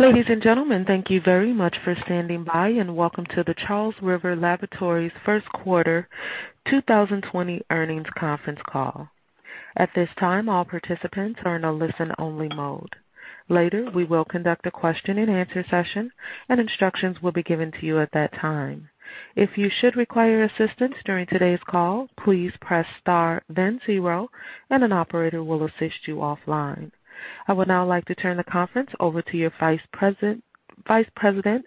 Ladies and gentlemen, thank you very much for standing by and welcome to the Charles River Laboratories First Quarter 2020 Earnings Conference Call. At this time, all participants are in a listen-only mode. Later, we will conduct a question-and-answer session, and instructions will be given to you at that time. If you should require assistance during today's call, please press star, then zero, and an operator will assist you offline. I would now like to turn the conference over to your Vice President,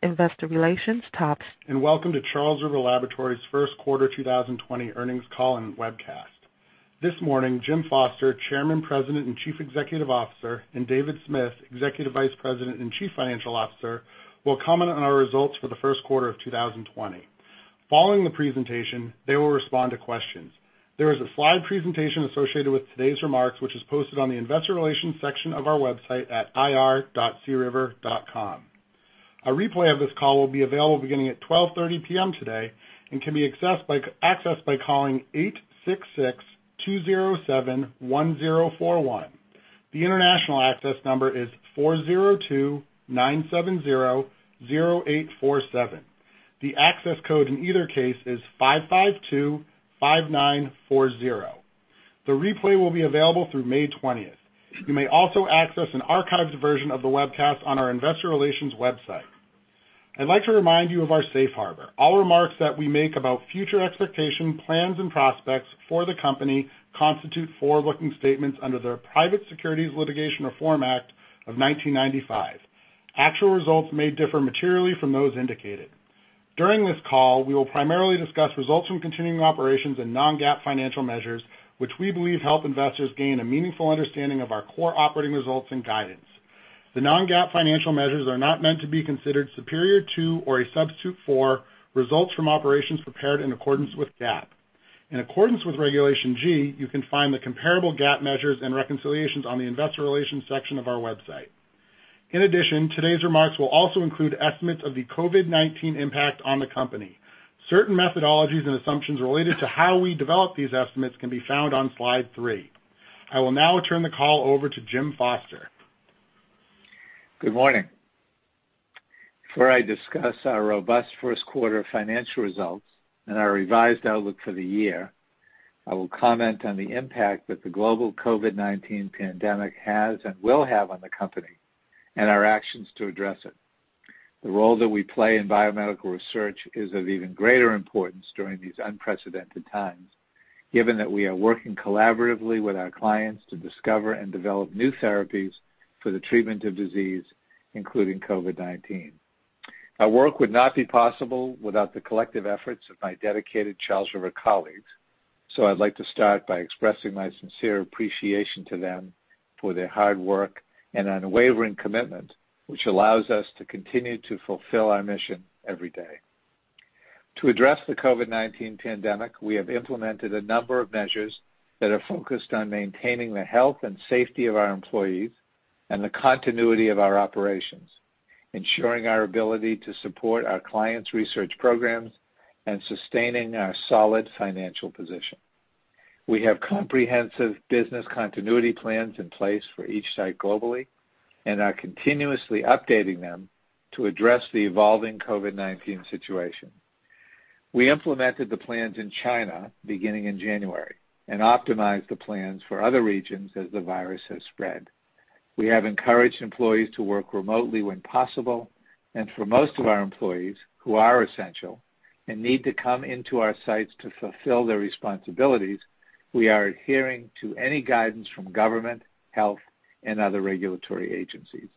Investor Relations, Todd. Welcome to Charles River Laboratories First Quarter 2020 Earnings Call and Webcast. This morning, James Foster, Chairman, President, and Chief Executive Officer, and David Smith, Executive Vice President and Chief Financial Officer, will comment on our results for the first quarter of 2020. Following the presentation, they will respond to questions. There is a slide presentation associated with today's remarks, which is posted on the Investor Relations section of our website at ir.criver.com. A replay of this call will be available beginning at 12:30 P.M. today and can be accessed by calling 866-207-1041. The international access number is 402-970-0847. The access code in either case is 552-5940. The replay will be available through May 20th. You may also access an archived version of the webcast on our Investor Relations website. I'd like to remind you of our safe harbor. All remarks that we make about future expectations, plans, and prospects for the company constitute forward-looking statements under the Private Securities Litigation Reform Act of 1995. Actual results may differ materially from those indicated. During this call, we will primarily discuss results from continuing operations and non-GAAP financial measures, which we believe help investors gain a meaningful understanding of our core operating results and guidance. The non-GAAP financial measures are not meant to be considered superior to or a substitute for results from operations prepared in accordance with GAAP. In accordance with Regulation G, you can find the comparable GAAP measures and reconciliations on the Investor Relations section of our website. In addition, today's remarks will also include estimates of the COVID-19 impact on the company. Certain methodologies and assumptions related to how we develop these estimates can be found on slide three. I will now turn the call over to James Foster. Good morning. Before I discuss our robust first quarter financial results and our revised outlook for the year, I will comment on the impact that the global COVID-19 pandemic has and will have on the company and our actions to address it. The role that we play in biomedical research is of even greater importance during these unprecedented times, given that we are working collaboratively with our clients to discover and develop new therapies for the treatment of disease, including COVID-19. Our work would not be possible without the collective efforts of my dedicated Charles River colleagues, so I'd like to start by expressing my sincere appreciation to them for their hard work and unwavering commitment, which allows us to continue to fulfill our mission every day. To address the COVID-19 pandemic, we have implemented a number of measures that are focused on maintaining the health and safety of our employees and the continuity of our operations, ensuring our ability to support our clients' research programs, and sustaining our solid financial position. We have comprehensive business continuity plans in place for each site globally and are continuously updating them to address the evolving COVID-19 situation. We implemented the plans in China beginning in January and optimized the plans for other regions as the virus has spread. We have encouraged employees to work remotely when possible, and for most of our employees, who are essential and need to come into our sites to fulfill their responsibilities, we are adhering to any guidance from government, health, and other regulatory agencies.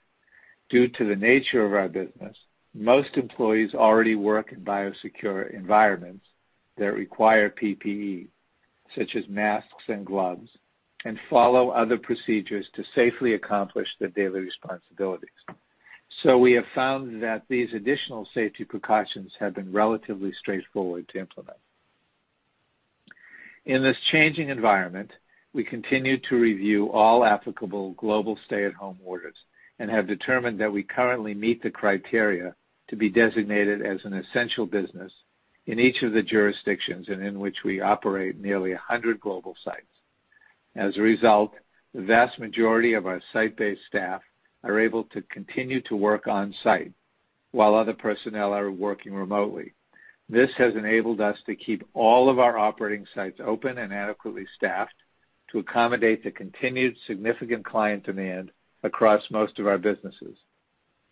Due to the nature of our business, most employees already work in biosecure environments that require PPE, such as masks and gloves, and follow other procedures to safely accomplish their daily responsibilities. So we have found that these additional safety precautions have been relatively straightforward to implement. In this changing environment, we continue to review all applicable global stay-at-home orders and have determined that we currently meet the criteria to be designated as an essential business in each of the jurisdictions in which we operate nearly 100 global sites. As a result, the vast majority of our site-based staff are able to continue to work on-site while other personnel are working remotely. This has enabled us to keep all of our operating sites open and adequately staffed to accommodate the continued significant client demand across most of our businesses.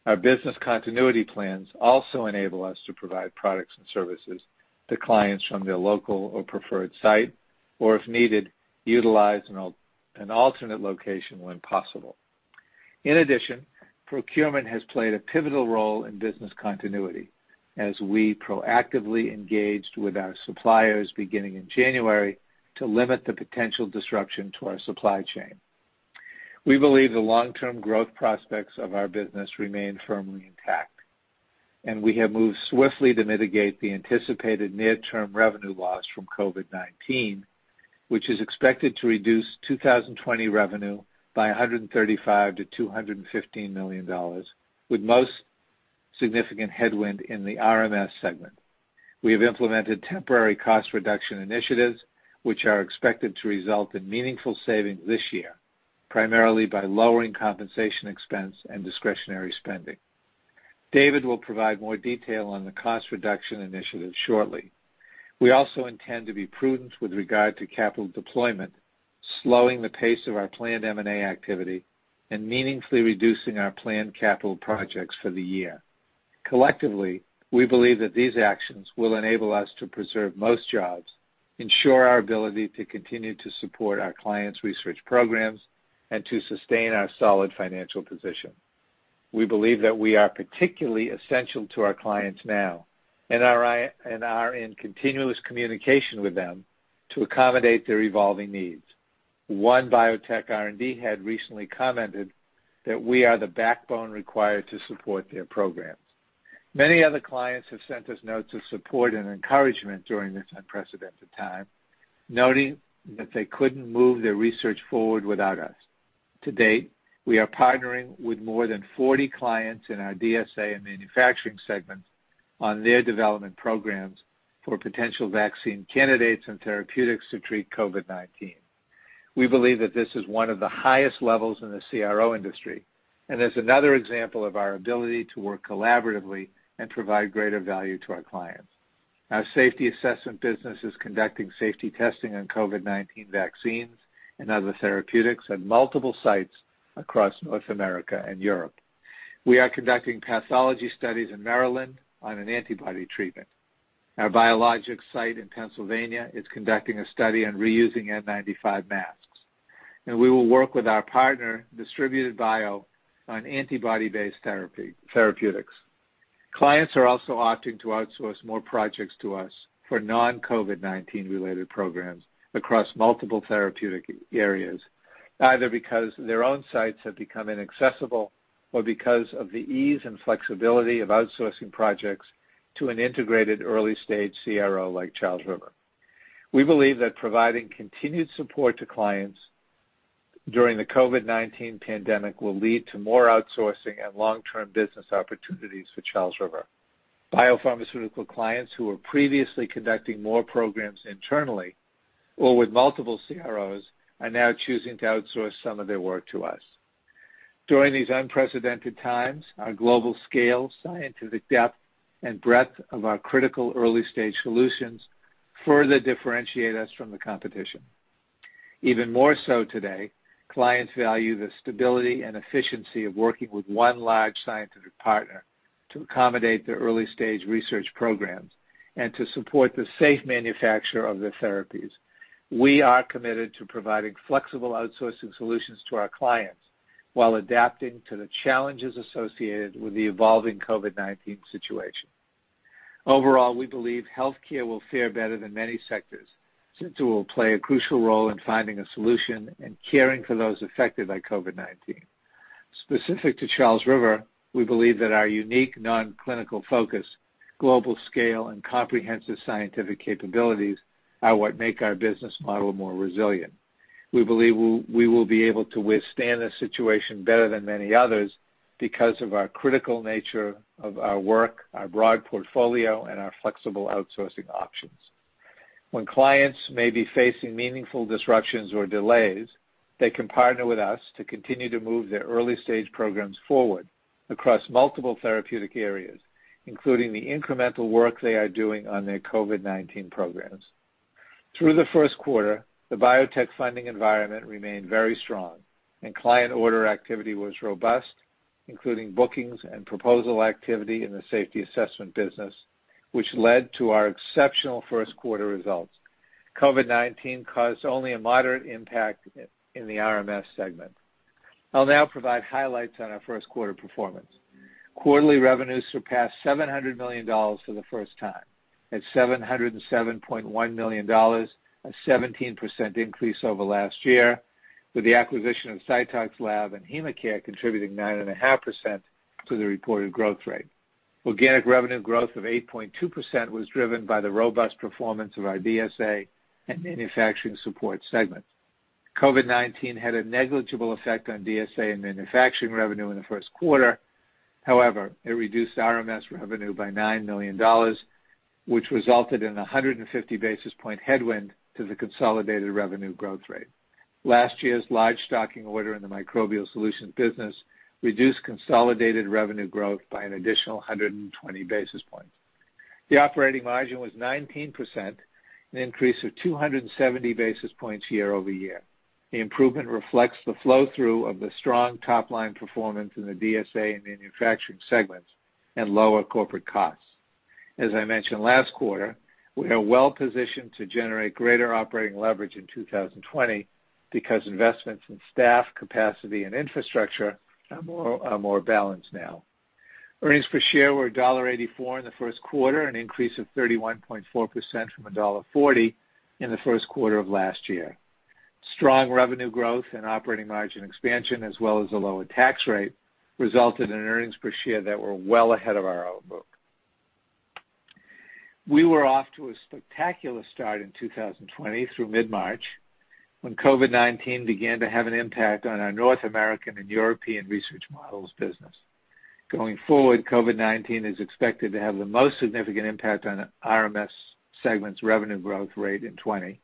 Our business continuity plans also enable us to provide products and services to clients from their local or preferred site, or if needed, utilize an alternate location when possible. In addition, procurement has played a pivotal role in business continuity as we proactively engaged with our suppliers beginning in January to limit the potential disruption to our supply chain. We believe the long-term growth prospects of our business remain firmly intact, and we have moved swiftly to mitigate the anticipated near-term revenue loss from COVID-19, which is expected to reduce 2020 revenue by $135-$215 million, with most significant headwind in the RMS segment. We have implemented temporary cost reduction initiatives, which are expected to result in meaningful savings this year, primarily by lowering compensation expense and discretionary spending. David will provide more detail on the cost reduction initiatives shortly. We also intend to be prudent with regard to capital deployment, slowing the pace of our planned M&A activity, and meaningfully reducing our planned capital projects for the year. Collectively, we believe that these actions will enable us to preserve most jobs, ensure our ability to continue to support our clients' research programs, and to sustain our solid financial position. We believe that we are particularly essential to our clients now and are in continuous communication with them to accommodate their evolving needs. One biotech R&D head recently commented that we are the backbone required to support their programs. Many other clients have sent us notes of support and encouragement during this unprecedented time, noting that they couldn't move their research forward without us. To date, we are partnering with more than 40 clients in our DSA and Manufacturing segments on their development programs for potential vaccine candidates and therapeutics to treat COVID-19. We believe that this is one of the highest levels in the CRO industry, and is another example of our ability to work collaboratively and provide greater value to our clients. Our Safety Assessment business is conducting safety testing on COVID-19 vaccines and other therapeutics at multiple sites across North America and Europe. We are conducting pathology studies in Maryland on an antibody treatment. Our Biologics site in Pennsylvania is conducting a study on reusing N95 masks, and we will work with our partner, Distributed Bio, on antibody-based therapeutics. Clients are also opting to outsource more projects to us for non-COVID-19 related programs across multiple therapeutic areas, either because their own sites have become inaccessible or because of the ease and flexibility of outsourcing projects to an integrated early-stage CRO like Charles River. We believe that providing continued support to clients during the COVID-19 pandemic will lead to more outsourcing and long-term business opportunities for Charles River. Biopharmaceutical clients who were previously conducting more programs internally or with multiple CROs are now choosing to outsource some of their work to us. During these unprecedented times, our global scale, scientific depth, and breadth of our critical early-stage solutions further differentiate us from the competition. Even more so today, clients value the stability and efficiency of working with one large scientific partner to accommodate their early-stage research programs and to support the safe manufacture of their therapies. We are committed to providing flexible outsourcing solutions to our clients while adapting to the challenges associated with the evolving COVID-19 situation. Overall, we believe healthcare will fare better than many sectors since it will play a crucial role in finding a solution and caring for those affected by COVID-19. Specific to Charles River, we believe that our unique non-clinical focus, global scale, and comprehensive scientific capabilities are what make our business model more resilient. We believe we will be able to withstand this situation better than many others because of our critical nature of our work, our broad portfolio, and our flexible outsourcing options. When clients may be facing meaningful disruptions or delays, they can partner with us to continue to move their early-stage programs forward across multiple therapeutic areas, including the incremental work they are doing on their COVID-19 programs. Through the first quarter, the biotech funding environment remained very strong, and client order activity was robust, including bookings and proposal activity in the Safety Assessment business, which led to our exceptional first quarter results. COVID-19 caused only a moderate impact in the RMS segment. I'll now provide highlights on our first quarter performance. Quarterly revenues surpassed $700 million for the first time, at $707.1 million, a 17% increase over last year, with the acquisition of Citoxlab and HemaCare contributing 9.5% to the reported growth rate. Organic revenue growth of 8.2% was driven by the robust performance of our DSA and Manufacturing Support segments. COVID-19 had a negligible effect on DSA and Manufacturing revenue in the first quarter. However, it reduced RMS revenue by $9 million, which resulted in a 150 basis points headwind to the consolidated revenue growth rate. Last year's large stocking order in the Microbial Solutions business reduced consolidated revenue growth by an additional 120 basis points. The operating margin was 19%, an increase of 270 basis points year-over-year. The improvement reflects the flow-through of the strong top-line performance in the DSA and Manufacturing segments and lower corporate costs. As I mentioned last quarter, we are well-positioned to generate greater operating leverage in 2020 because investments in staff, capacity, and infrastructure are more balanced now. Earnings per share were $1.84 in the first quarter, an increase of 31.4% from $1.40 in the first quarter of last year. Strong revenue growth and operating margin expansion, as well as a lower tax rate, resulted in earnings per share that were well ahead of our outlook. We were off to a spectacular start in 2020 through mid-March when COVID-19 began to have an impact on our North American and European Research Models business. Going forward, COVID-19 is expected to have the most significant impact on RMS segments' revenue growth rate in 2020,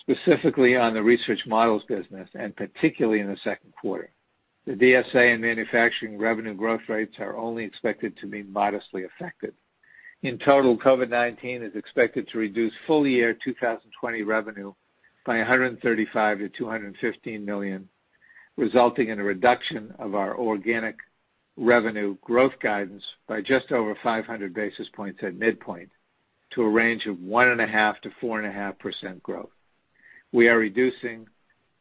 specifically on the Research Models business and particularly in the second quarter. The DSA and Manufacturing revenue growth rates are only expected to be modestly affected. In total, COVID-19 is expected to reduce full year 2020 revenue by $135 million-$215 million, resulting in a reduction of our organic revenue growth guidance by just over 500 basis points at midpoint to a range of 1.5%-4.5% growth. We are reducing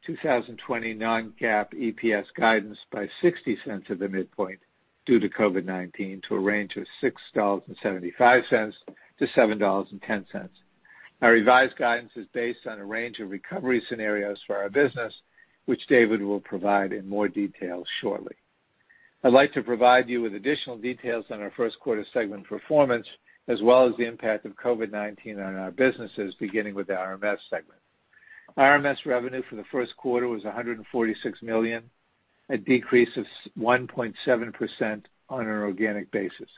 2020 non-GAAP EPS guidance by $0.60 at the midpoint due to COVID-19 to a range of $6.75-$7.10. Our revised guidance is based on a range of recovery scenarios for our business, which David will provide in more detail shortly. I'd like to provide you with additional details on our first quarter segment performance, as well as the impact of COVID-19 on our businesses, beginning with the RMS segment. RMS revenue for the first quarter was $146 million, a decrease of 1.7% on an organic basis.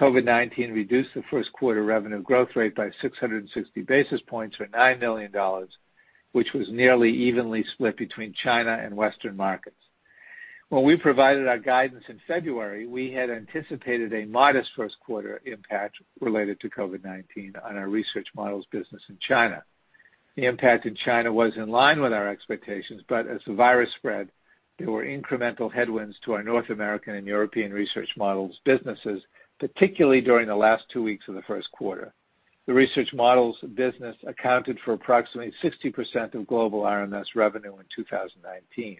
COVID-19 reduced the first quarter revenue growth rate by 660 basis points or $9 million, which was nearly evenly split between China and Western markets. When we provided our guidance in February, we had anticipated a modest first quarter impact related to COVID-19 on our Research Models business in China. The impact in China was in line with our expectations, but as the virus spread, there were incremental headwinds to our North American and European Research Models businesses, particularly during the last two weeks of the first quarter. The Research Models business accounted for approximately 60% of global RMS revenue in 2019.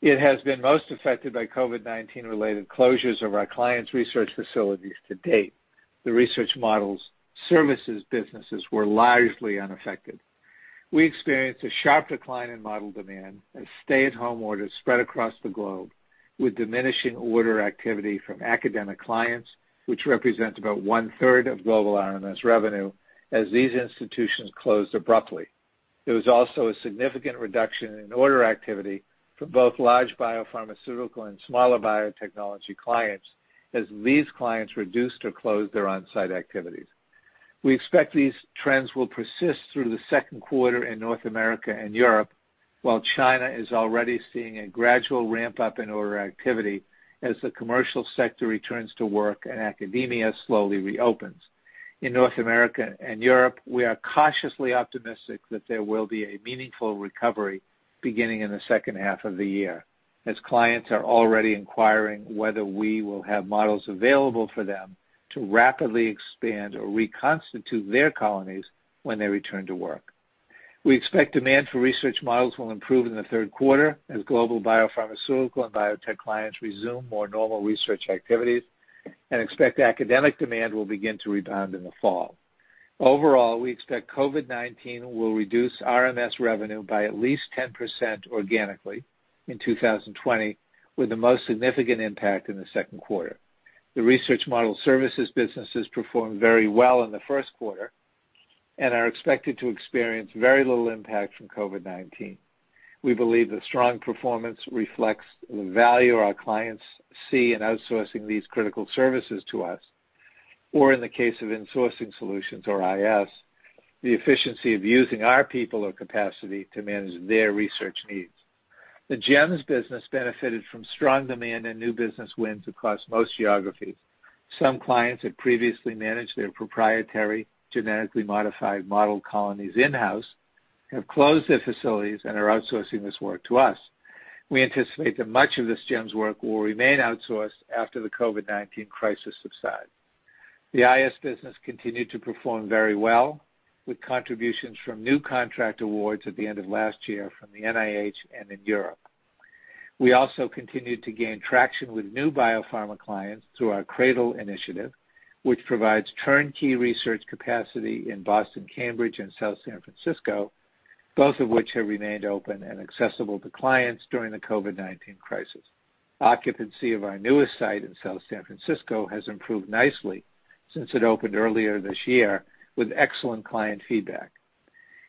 It has been most affected by COVID-19-related closures of our clients' research facilities to date. The Research Models' services businesses were largely unaffected. We experienced a sharp decline in model demand as stay-at-home orders spread across the globe, with diminishing order activity from academic clients, which represents about one-third of global RMS revenue, as these institutions closed abruptly. There was also a significant reduction in order activity for both large biopharmaceutical and smaller biotechnology clients, as these clients reduced or closed their on-site activities. We expect these trends will persist through the second quarter in North America and Europe, while China is already seeing a gradual ramp-up in order activity as the commercial sector returns to work and academia slowly reopens. In North America and Europe, we are cautiously optimistic that there will be a meaningful recovery beginning in the second half of the year, as clients are already inquiring whether we will have models available for them to rapidly expand or reconstitute their colonies when they return to work. We expect demand for Research Models will improve in the third quarter as global biopharmaceutical and biotech clients resume more normal research activities and expect academic demand will begin to rebound in the fall. Overall, we expect COVID-19 will reduce RMS revenue by at least 10% organically in 2020, with the most significant impact in the second quarter. the Research Models and Services businesses performed very well in the first quarter and are expected to experience very little impact from COVID-19. We believe the strong performance reflects the value our clients see in outsourcing these critical services to us, or in the case of Insourcing Solutions, or IS, the efficiency of using our people or capacity to manage their research needs. The GEMS business benefited from strong demand and new business wins across most geographies. Some clients had previously managed their proprietary genetically modified model colonies in-house, have closed their facilities, and are outsourcing this work to us. We anticipate that much of this GEMS work will remain outsourced after the COVID-19 crisis subsides. The IS business continued to perform very well, with contributions from new contract awards at the end of last year from the NIH and in Europe. We also continued to gain traction with new biopharma clients through our CRADL initiative, which provides turnkey research capacity in Boston, Cambridge, and South San Francisco, both of which have remained open and accessible to clients during the COVID-19 crisis. Occupancy of our newest site in South San Francisco has improved nicely since it opened earlier this year, with excellent client feedback.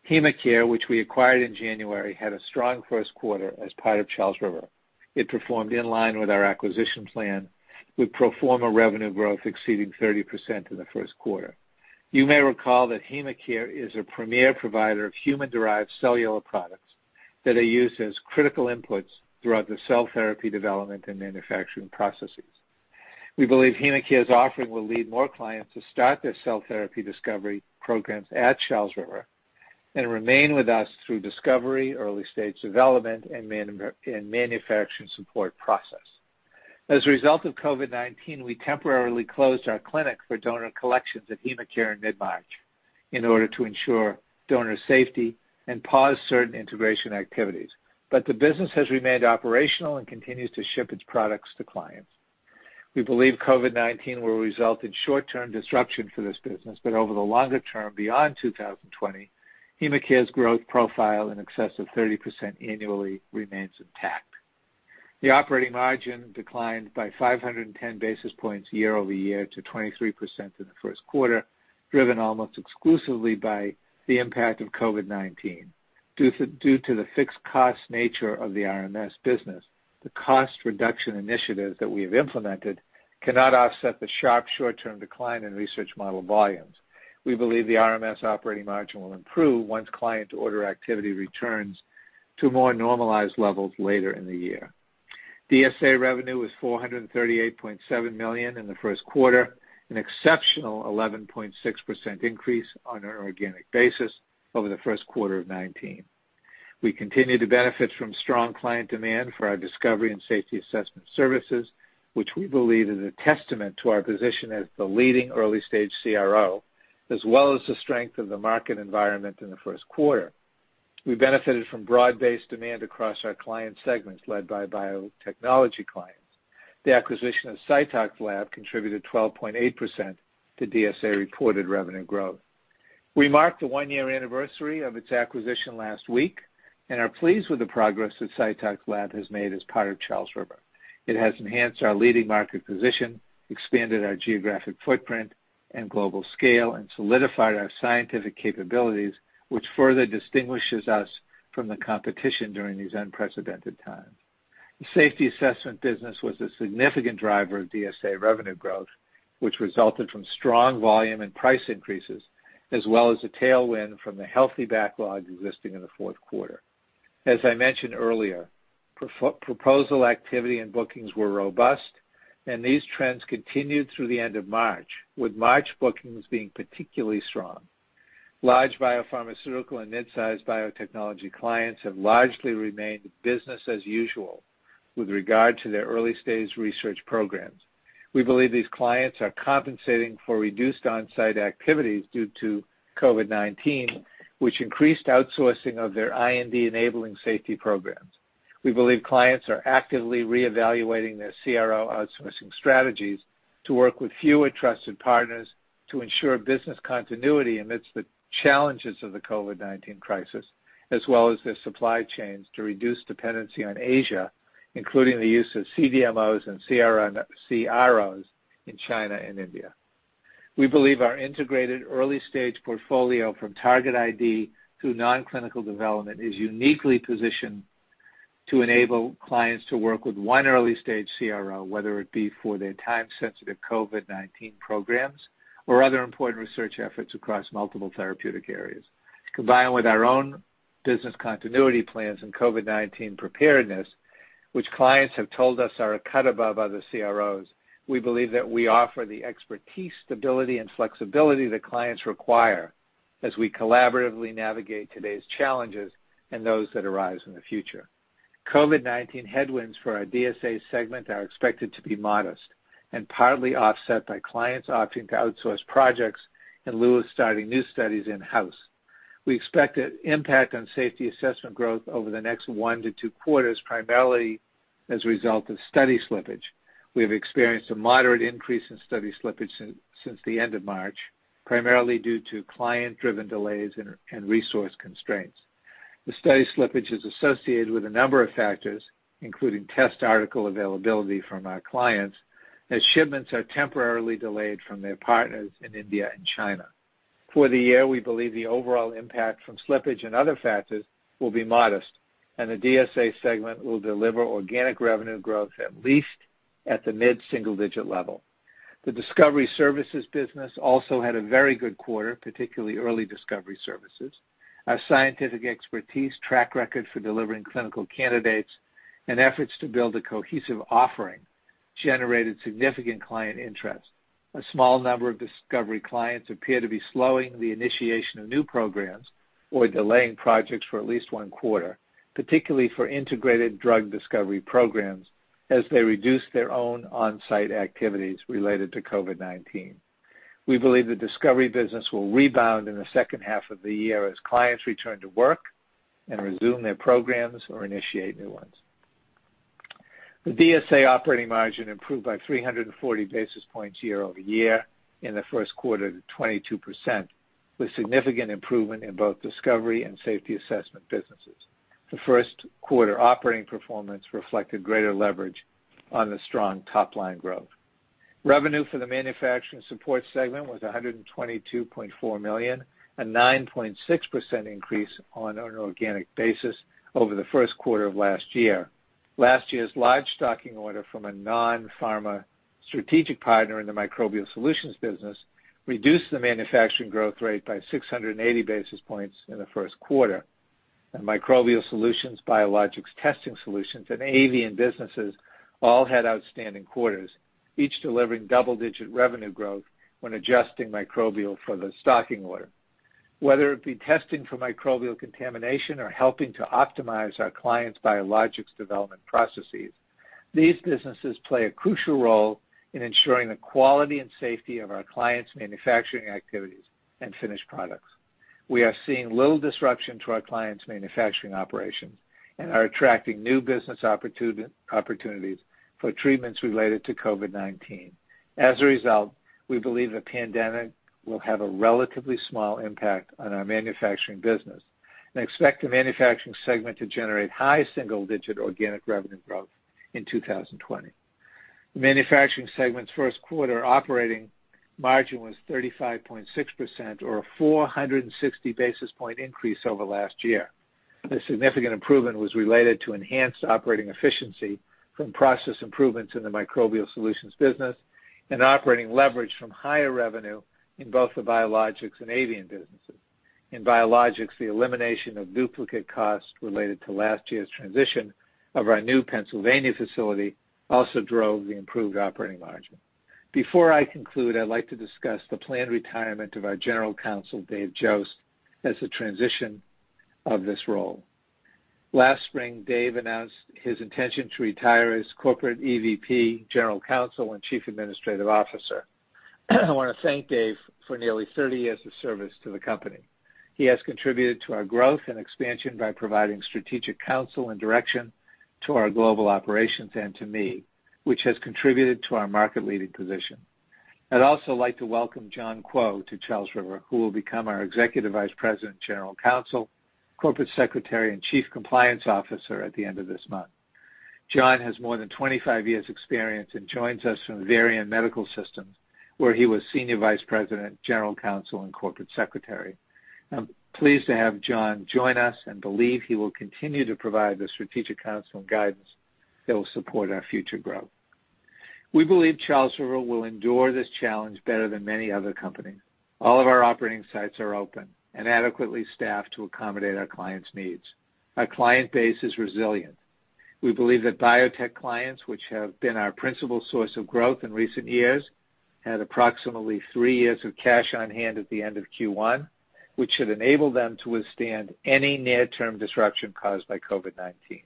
HemaCare, which we acquired in January, had a strong first quarter as part of Charles River. It performed in line with our acquisition plan, with proforma revenue growth exceeding 30% in the first quarter. You may recall that HemaCare is a premier provider of human-derived cellular products that are used as critical inputs throughout the cell therapy development and manufacturing processes. We believe HemaCare's offering will lead more clients to start their cell therapy Discovery programs at Charles River and remain with us through Discovery, early-stage development, and Manufacturing Support process. As a result of COVID-19, we temporarily closed our clinic for donor collections at HemaCare in mid-March in order to ensure donor safety and pause certain integration activities, but the business has remained operational and continues to ship its products to clients. We believe COVID-19 will result in short-term disruption for this business, but over the longer term, beyond 2020, HemaCare's growth profile in excess of 30% annually remains intact. The operating margin declined by 510 basis points year-over-year to 23% in the first quarter, driven almost exclusively by the impact of COVID-19. Due to the fixed cost nature of the RMS business, the cost reduction initiatives that we have implemented cannot offset the sharp short-term decline in research model volumes. We believe the RMS operating margin will improve once client order activity returns to more normalized levels later in the year. DSA revenue was $438.7 million in the first quarter, an exceptional 11.6% increase on an organic basis over the first quarter of 2019. We continue to benefit from strong client demand for our Discovery and Safety Assessment services, which we believe is a testament to our position as the leading early-stage CRO, as well as the strength of the market environment in the first quarter. We benefited from broad-based demand across our client segments led by biotechnology clients. The acquisition of Citoxlab contributed 12.8% to DSA reported revenue growth. We marked the one-year anniversary of its acquisition last week and are pleased with the progress that Citoxlab has made as part of Charles River. It has enhanced our leading market position, expanded our geographic footprint and global scale, and solidified our scientific capabilities, which further distinguishes us from the competition during these unprecedented times. The Safety Assessment business was a significant driver of DSA revenue growth, which resulted from strong volume and price increases, as well as a tailwind from the healthy backlog existing in the fourth quarter. As I mentioned earlier, proposal activity and bookings were robust, and these trends continued through the end of March, with March bookings being particularly strong. Large biopharmaceutical and mid-sized biotechnology clients have largely remained business as usual with regard to their early-stage research programs. We believe these clients are compensating for reduced on-site activities due to COVID-19, which increased outsourcing of their IND-enabling safety programs. We believe clients are actively reevaluating their CRO outsourcing strategies to work with fewer trusted partners to ensure business continuity amidst the challenges of the COVID-19 crisis, as well as their supply chains to reduce dependency on Asia, including the use of CDMOs and CROs in China and India. We believe our integrated early-stage portfolio from target ID through non-clinical development is uniquely positioned to enable clients to work with one early-stage CRO, whether it be for their time-sensitive COVID-19 programs or other important research efforts across multiple therapeutic areas. Combined with our own business continuity plans and COVID-19 preparedness, which clients have told us are a cut above other CROs, we believe that we offer the expertise, stability, and flexibility that clients require as we collaboratively navigate today's challenges and those that arise in the future. COVID-19 headwinds for our DSA segment are expected to be modest and partly offset by clients opting to outsource projects in lieu of starting new studies in-house. We expect an impact on Safety Assessment growth over the next one to two quarters, primarily as a result of study slippage. We have experienced a moderate increase in study slippage since the end of March, primarily due to client-driven delays and resource constraints. The study slippage is associated with a number of factors, including test article availability from our clients, as shipments are temporarily delayed from their partners in India and China. For the year, we believe the overall impact from slippage and other factors will be modest, and the DSA segment will deliver organic revenue growth at least at the mid-single-digit level. The Discovery Services business also had a very good quarter, particularly early Discovery Services. Our scientific expertise, track record for delivering clinical candidates, and efforts to build a cohesive offering generated significant client interest. A small number of Discovery clients appear to be slowing the initiation of new programs or delaying projects for at least one quarter, particularly for Integrated Drug Discovery programs, as they reduce their own on-site activities related to COVID-19. We believe the Discovery business will rebound in the second half of the year as clients return to work and resume their programs or initiate new ones. The DSA operating margin improved by 340 basis points year-over-year in the first quarter to 22%, with significant improvement in both Discovery and Safety Assessment businesses. The first quarter operating performance reflected greater leverage on the strong top-line growth. Revenue for the Manufacturing Support segment was $122.4 million, a 9.6% increase on an organic basis over the first quarter of last year. Last year's large stocking order from a non-pharma strategic partner in the Microbial Solutions business reduced the manufacturing growth rate by 680 basis points in the first quarter. Microbial Solutions, Biologics Testing Solutions, and Avian businesses all had outstanding quarters, each delivering double-digit revenue growth when adjusting Microbial for the stocking order. Whether it be testing for Microbial contamination or helping to optimize our clients' Biologics development processes, these businesses play a crucial role in ensuring the quality and safety of our clients' manufacturing activities and finished products. We are seeing little disruption to our clients' manufacturing operations and are attracting new business opportunities for treatments related to COVID-19. As a result, we believe the pandemic will have a relatively small impact on our manufacturing business and expect the Manufacturing segment to generate high single-digit organic revenue growth in 2020. The Manufacturing segment's first quarter operating margin was 35.6%, or a 460 basis points increase over last year. A significant improvement was related to enhanced operating efficiency from process improvements in the Microbial Solutions business and operating leverage from higher revenue in both the Biologics and Avian businesses. In Biologics, the elimination of duplicate costs related to last year's transition of our new Pennsylvania facility also drove the improved operating margin. Before I conclude, I'd like to discuss the planned retirement of our General Counsel, David Johst, as the transition of this role. Last spring, Dave announced his intention to retire as Corporate EVP, General Counsel, and Chief Administrative Officer. I want to thank Dave for nearly 30 years of service to the company. He has contributed to our growth and expansion by providing strategic counsel and direction to our global operations and to me, which has contributed to our market-leading position. I'd also like to welcome John Kuo to Charles River, who will become our Executive Vice President, General Counsel, Corporate Secretary, and Chief Compliance Officer at the end of this month. John has more than 25 years' experience and joins us from Varian Medical Systems, where he was senior vice president, General Counsel, and Corporate Secretary. I'm pleased to have John join us and believe he will continue to provide the strategic counsel and guidance that will support our future growth. We believe Charles River will endure this challenge better than many other companies. All of our operating sites are open and adequately staffed to accommodate our clients' needs. Our client base is resilient. We believe that biotech clients, which have been our principal source of growth in recent years, had approximately three years of cash on hand at the end of Q1, which should enable them to withstand any near-term disruption caused by COVID-19.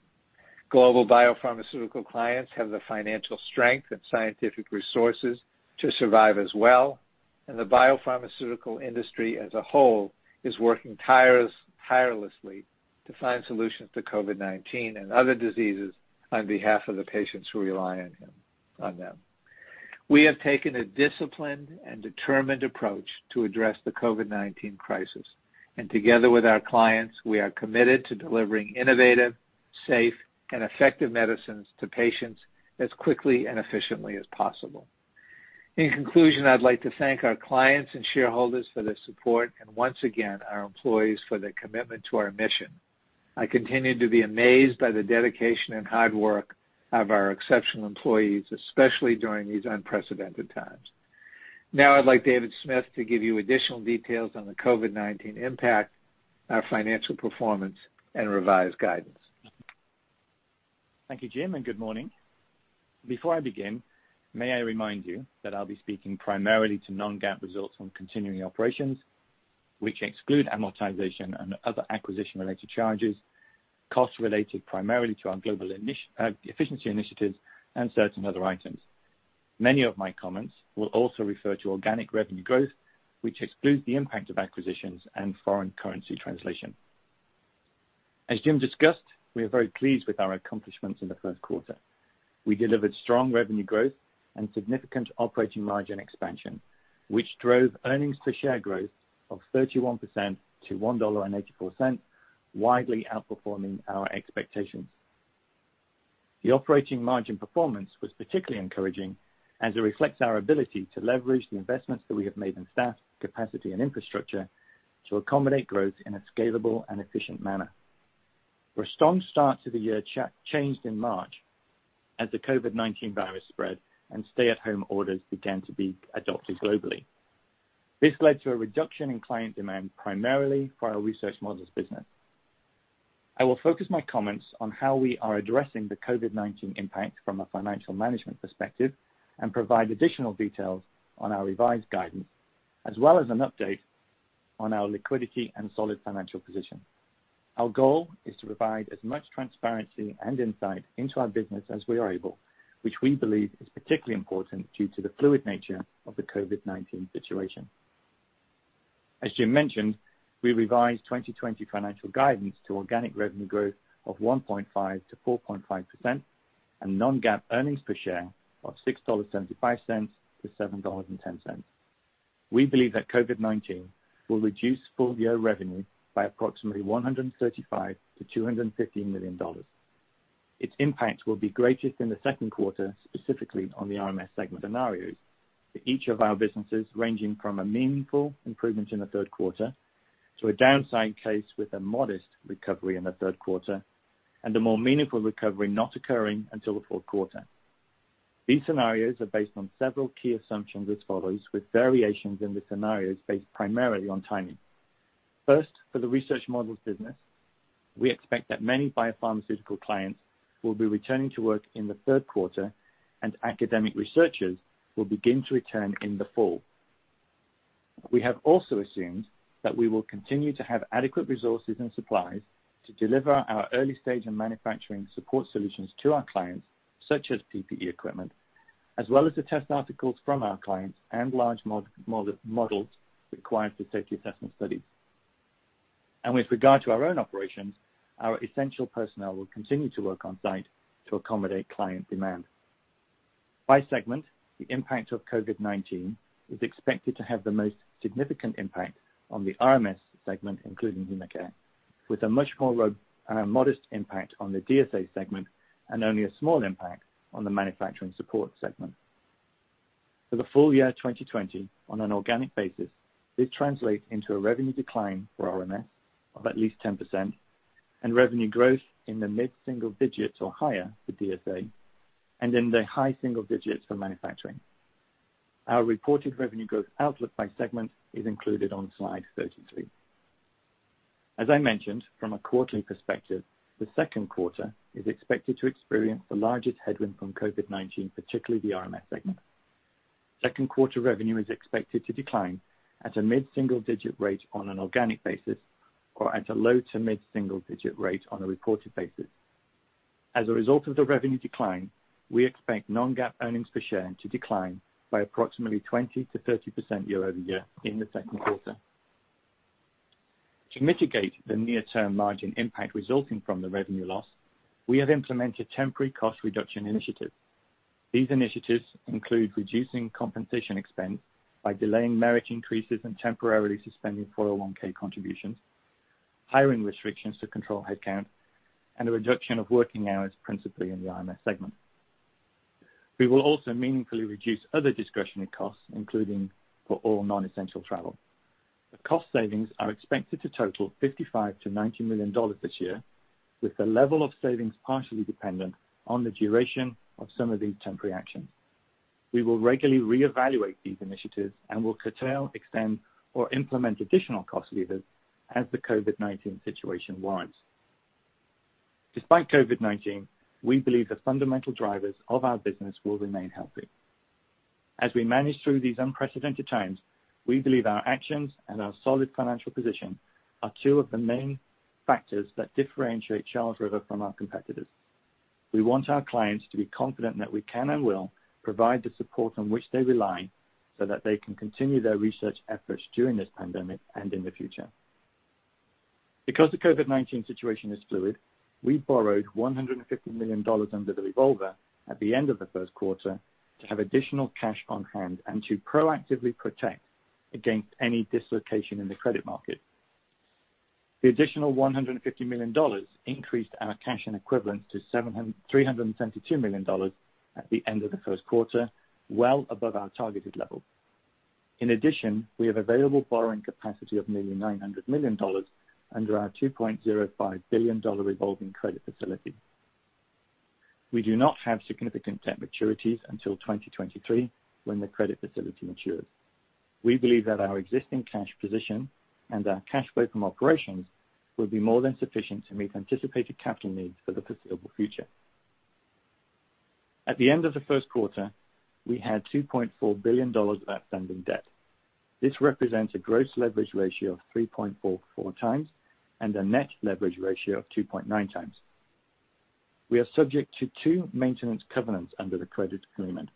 Global biopharmaceutical clients have the financial strength and scientific resources to survive as well, and the biopharmaceutical industry as a whole is working tirelessly to find solutions to COVID-19 and other diseases on behalf of the patients who rely on them. We have taken a disciplined and determined approach to address the COVID-19 crisis, and together with our clients, we are committed to delivering innovative, safe, and effective medicines to patients as quickly and efficiently as possible. In conclusion, I'd like to thank our clients and shareholders for their support and, once again, our employees for their commitment to our mission. I continue to be amazed by the dedication and hard work of our exceptional employees, especially during these unprecedented times. Now, I'd like David Smith to give you additional details on the COVID-19 impact, our financial performance, and revised guidance. Thank you, James, and good morning. Before I begin, may I remind you that I'll be speaking primarily to Non-GAAP results on continuing operations, which exclude amortization and other acquisition-related charges, costs related primarily to our global efficiency initiatives and certain other items. Many of my comments will also refer to organic revenue growth, which excludes the impact of acquisitions and foreign currency translation. As James discussed, we are very pleased with our accomplishments in the first quarter. We delivered strong revenue growth and significant operating margin expansion, which drove earnings per share growth of 31%-$1.84, widely outperforming our expectations. The operating margin performance was particularly encouraging as it reflects our ability to leverage the investments that we have made in staff, capacity, and infrastructure to accommodate growth in a scalable and efficient manner. Our strong start to the year changed in March as the COVID-19 virus spread and stay-at-home orders began to be adopted globally. This led to a reduction in client demand, primarily for our Research Models business. I will focus my comments on how we are addressing the COVID-19 impact from a financial management perspective and provide additional details on our revised guidance, as well as an update on our liquidity and solid financial position. Our goal is to provide as much transparency and insight into our business as we are able, which we believe is particularly important due to the fluid nature of the COVID-19 situation. As James mentioned, we revised 2020 financial guidance to organic revenue growth of 1.5%-4.5% and non-GAAP earnings per share of $6.75-$7.10. We believe that COVID-19 will reduce full-year revenue by approximately $135-$215 million. Its impact will be greatest in the second quarter, specifically on the RMS segment. Scenarios for each of our businesses, ranging from a meaningful improvement in the third quarter to a downside case with a modest recovery in the third quarter and a more meaningful recovery not occurring until the fourth quarter. These scenarios are based on several key assumptions as follows, with variations in the scenarios based primarily on timing. First, for the Research Models business, we expect that many biopharmaceutical clients will be returning to work in the third quarter, and academic researchers will begin to return in the fall. We have also assumed that we will continue to have adequate resources and supplies to deliver our early-stage and Manufacturing Support solutions to our clients, such as PPE equipment, as well as the test articles from our clients and large models required for Safety Assessment studies. With regard to our own operations, our essential personnel will continue to work on-site to accommodate client demand. By segment, the impact of COVID-19 is expected to have the most significant impact on the RMS segment, including HemaCare, with a much more modest impact on the DSA segment and only a small impact on the Manufacturing Support segment. For the full year 2020, on an organic basis, this translates into a revenue decline for RMS of at least 10% and revenue growth in the mid-single digits or higher for DSA and in the high single digits for manufacturing. Our reported revenue growth outlook by segment is included on slide 33. As I mentioned, from a quarterly perspective, the second quarter is expected to experience the largest headwind from COVID-19, particularly the RMS segment. Second quarter revenue is expected to decline at a mid-single digit rate on an organic basis or at a low to mid-single digit rate on a reported basis. As a result of the revenue decline, we expect non-GAAP earnings per share to decline by approximately 20%-30% year-over-year in the second quarter. To mitigate the near-term margin impact resulting from the revenue loss, we have implemented temporary cost reduction initiatives. These initiatives include reducing compensation expense by delaying merit increases and temporarily suspending 401(k) contributions, hiring restrictions to control headcount, and a reduction of working hours principally in the RMS segment. We will also meaningfully reduce other discretionary costs, including for all non-essential travel. The cost savings are expected to total $55-$90 million this year, with the level of savings partially dependent on the duration of some of these temporary actions. We will regularly reevaluate these initiatives and will curtail, extend, or implement additional cost levers as the COVID-19 situation warrants. Despite COVID-19, we believe the fundamental drivers of our business will remain healthy. As we manage through these unprecedented times, we believe our actions and our solid financial position are two of the main factors that differentiate Charles River from our competitors. We want our clients to be confident that we can and will provide the support on which they rely so that they can continue their research efforts during this pandemic and in the future. Because the COVID-19 situation is fluid, we borrowed $150 million under the revolver at the end of the first quarter to have additional cash on hand and to proactively protect against any dislocation in the credit market. The additional $150 million increased our cash and equivalents to $372 million at the end of the first quarter, well above our targeted level. In addition, we have available borrowing capacity of nearly $900 million under our $2.05 billion revolving credit facility. We do not have significant debt maturities until 2023 when the credit facility matures. We believe that our existing cash position and our cash flow from operations will be more than sufficient to meet anticipated capital needs for the foreseeable future. At the end of the first quarter, we had $2.4 billion of outstanding debt. This represents a gross leverage ratio of 3.44 times and a net leverage ratio of 2.9 times. We are subject to two maintenance covenants under the credit agreement: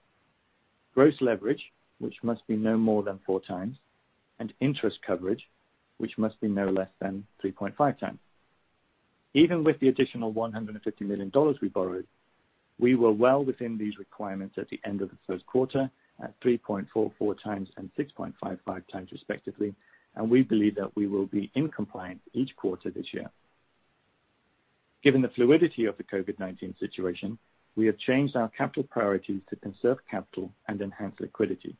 gross leverage, which must be no more than four times, and interest coverage, which must be no less than 3.5 times. Even with the additional $150 million we borrowed, we were well within these requirements at the end of the first quarter at 3.44 times and 6.55 times, respectively, and we believe that we will be in compliance each quarter this year. Given the fluidity of the COVID-19 situation, we have changed our capital priorities to conserve capital and enhance liquidity.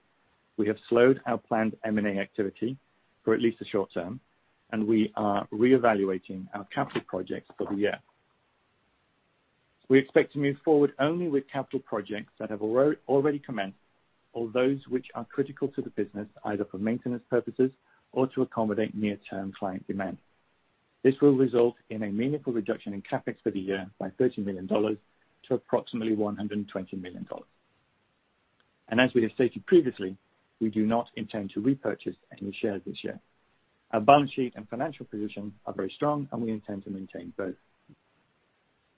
We have slowed our planned M&A activity for at least a short term, and we are reevaluating our capital projects for the year. We expect to move forward only with capital projects that have already commenced or those which are critical to the business, either for maintenance purposes or to accommodate near-term client demand. This will result in a meaningful reduction in CapEx for the year by $30 million to approximately $120 million. And as we have stated previously, we do not intend to repurchase any shares this year. Our balance sheet and financial position are very strong, and we intend to maintain both.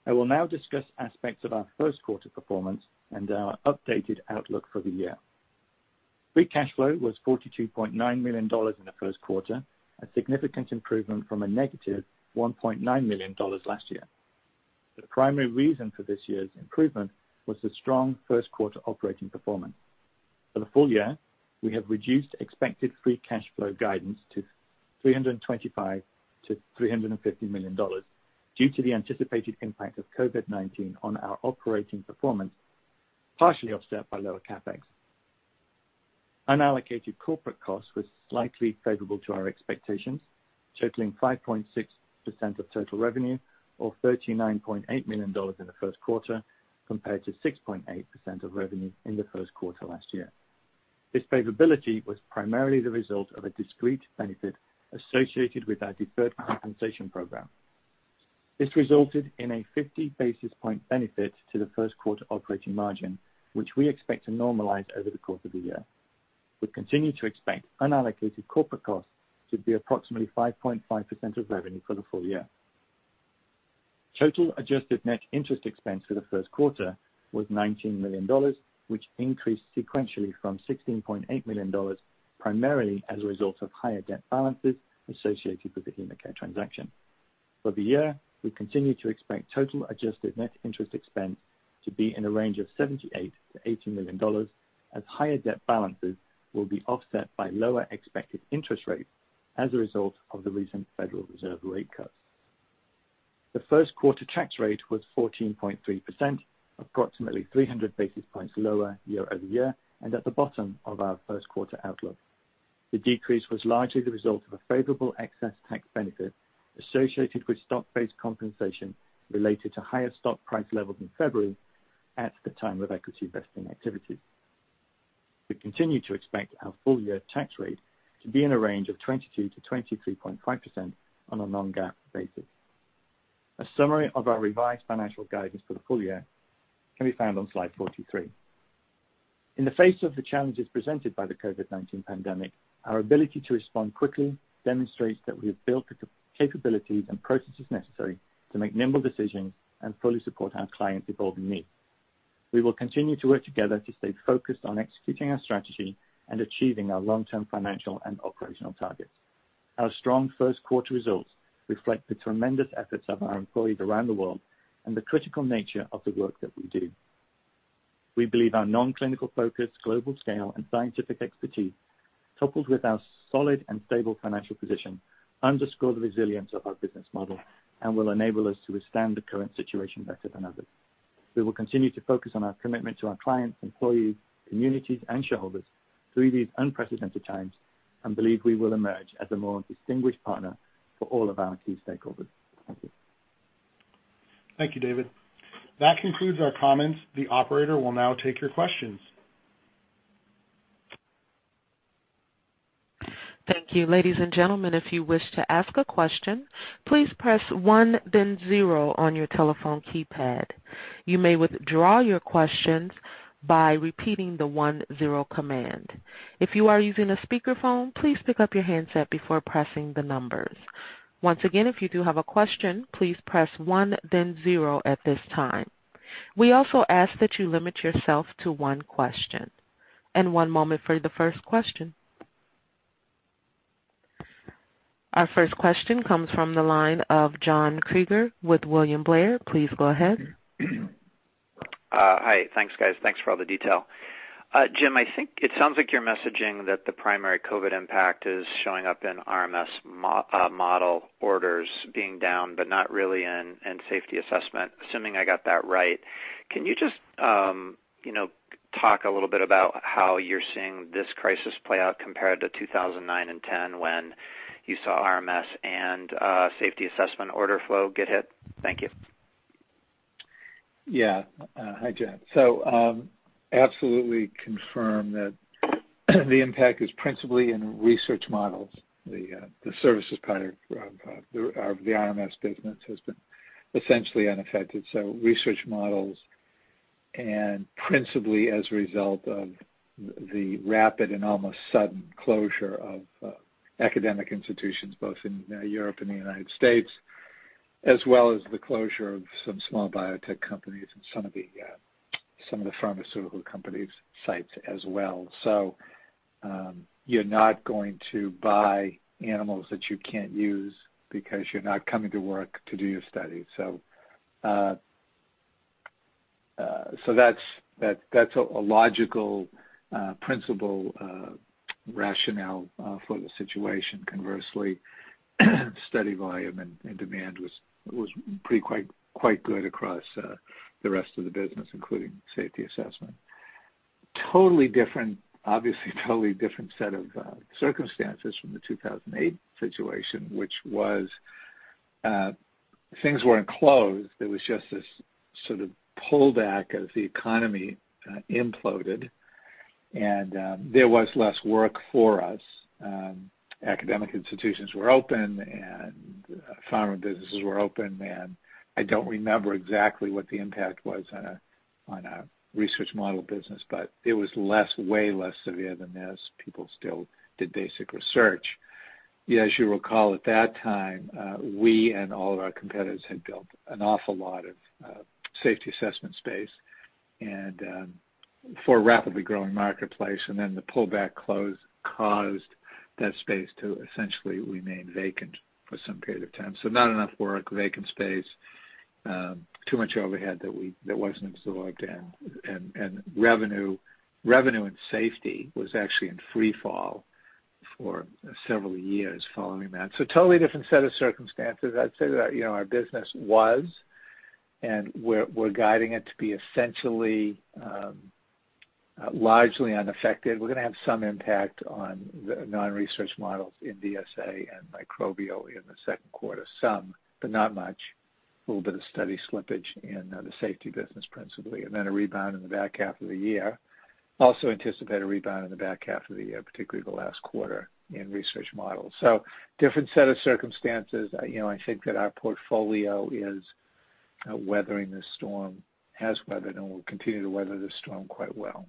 I will now discuss aspects of our first quarter performance and our updated outlook for the year. Free cash flow was $42.9 million in the first quarter, a significant improvement from a -$1.9 million last year. The primary reason for this year's improvement was the strong first quarter operating performance. For the full year, we have reduced expected free cash flow guidance to $325-$350 million due to the anticipated impact of COVID-19 on our operating performance, partially offset by lower CapEx. Unallocated corporate costs were slightly favorable to our expectations, totaling 5.6% of total revenue, or $39.8 million in the first quarter, compared to 6.8% of revenue in the first quarter last year. This favorability was primarily the result of a discrete benefit associated with our deferred compensation program. This resulted in a 50 basis point benefit to the first quarter operating margin, which we expect to normalize over the course of the year. We continue to expect unallocated corporate costs to be approximately 5.5% of revenue for the full year. Total adjusted net interest expense for the first quarter was $19 million, which increased sequentially from $16.8 million, primarily as a result of higher debt balances associated with the HemaCare transaction. For the year, we continue to expect total adjusted net interest expense to be in a range of $78-$80 million, as higher debt balances will be offset by lower expected interest rates as a result of the recent Federal Reserve rate cuts. The first quarter tax rate was 14.3%, approximately 300 basis points lower year-over-year, and at the bottom of our first quarter outlook. The decrease was largely the result of a favorable excess tax benefit associated with stock-based compensation related to higher stock price levels in February at the time of equity vesting activities. We continue to expect our full-year tax rate to be in a range of 22%-23.5% on a non-GAAP basis. A summary of our revised financial guidance for the full year can be found on slide 43. In the face of the challenges presented by the COVID-19 pandemic, our ability to respond quickly demonstrates that we have built the capabilities and processes necessary to make nimble decisions and fully support our clients' evolving needs. We will continue to work together to stay focused on executing our strategy and achieving our long-term financial and operational targets. Our strong first quarter results reflect the tremendous efforts of our employees around the world and the critical nature of the work that we do. We believe our non-clinical focus, global scale, and scientific expertise, coupled with our solid and stable financial position, underscore the resilience of our business model and will enable us to withstand the current situation better than others. We will continue to focus on our commitment to our clients, employees, communities, and shareholders through these unprecedented times and believe we will emerge as a more distinguished partner for all of our key stakeholders. Thank you. Thank you, David. That concludes our comments. The operator will now take your questions. Thank you. Ladies and gentlemen, if you wish to ask a question, please press 1, then 0 on your telephone keypad. You may withdraw your questions by repeating the 1, 0 command. If you are using a speakerphone, please pick up your handset before pressing the numbers. Once again, if you do have a question, please press 1, then 0 at this time. We also ask that you limit yourself to one question. And one moment for the first question. Our first question comes from the line of John Krieger with William Blair. Please go ahead. Hi. Thanks, guys. Thanks for all the detail. James, I think it sounds like you're messaging that the primary COVID impact is showing up in RMS model orders being down, but not really in Safety Assessment, assuming I got that right. Can you just talk a little bit about how you're seeing this crisis play out compared to 2009 and 2010 when you saw RMS and Safety Assessment order flow get hit? Thank you. Yeah. Hi, James. So I absolutely confirm that the impact is principally in Research Models. The services part of the RMS business has been essentially unaffected. So Research Models and principally as a result of the rapid and almost sudden closure of academic institutions, both in Europe and the United States, as well as the closure of some small biotech companies and some of the pharmaceutical companies' sites as well. So you're not going to buy animals that you can't use because you're not coming to work to do your studies. So that's a logical principle rationale for the situation. Conversely, study volume and demand was pretty quite good across the rest of the business, including Safety Assessment. Obviously, totally different set of circumstances from the 2008 situation, which was things weren't closed. There was just this sort of pullback as the economy imploded, and there was less work for us. Academic institutions were open, and pharma businesses were open, and I don't remember exactly what the impact was on our research model business, but it was way less severe than this. People still did basic research. As you recall, at that time, we and all of our competitors had built an awful lot of Safety Assessment space for a rapidly growing marketplace, and then the pullback caused that space to essentially remain vacant for some period of time, so not enough work, vacant space, too much overhead that wasn't absorbed, and revenue and safety was actually in freefall for several years following that, so totally different set of circumstances. I'd say that our business was, and we're guiding it to be essentially largely unaffected. We're going to have some impact on the non-Research Models in DSA and Microbial in the second quarter, some, but not much. A little bit of study slippage in the Safety business, principally, and then a rebound in the back half of the year. Also anticipate a rebound in the back half of the year, particularly the last quarter, in Research Models. So different set of circumstances. I think that our portfolio is weathering this storm, has weathered, and will continue to weather this storm quite well.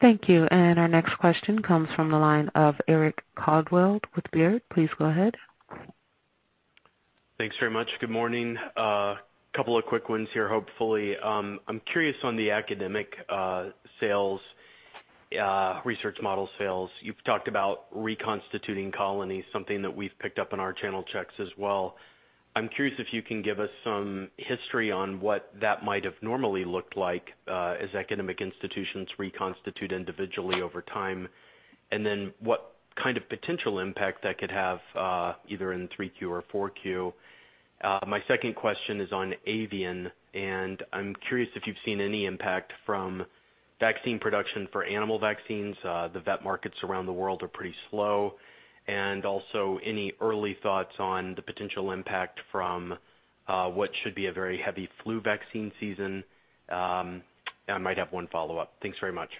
Thank you. And our next question comes from the line of Eric Coldwell with Baird. Please go ahead. Thanks very much. Good morning. A couple of quick ones here, hopefully. I'm curious on the academic sales, research model sales. You've talked about reconstituting colonies, something that we've picked up in our channel checks as well. I'm curious if you can give us some history on what that might have normally looked like as academic institutions reconstituted individually over time, and then what kind of potential impact that could have either in 3Q or 4Q. My second question is on Avian, and I'm curious if you've seen any impact from vaccine production for animal vaccines. The vet markets around the world are pretty slow. And also any early thoughts on the potential impact from what should be a very heavy flu vaccine season? I might have one follow-up. Thanks very much.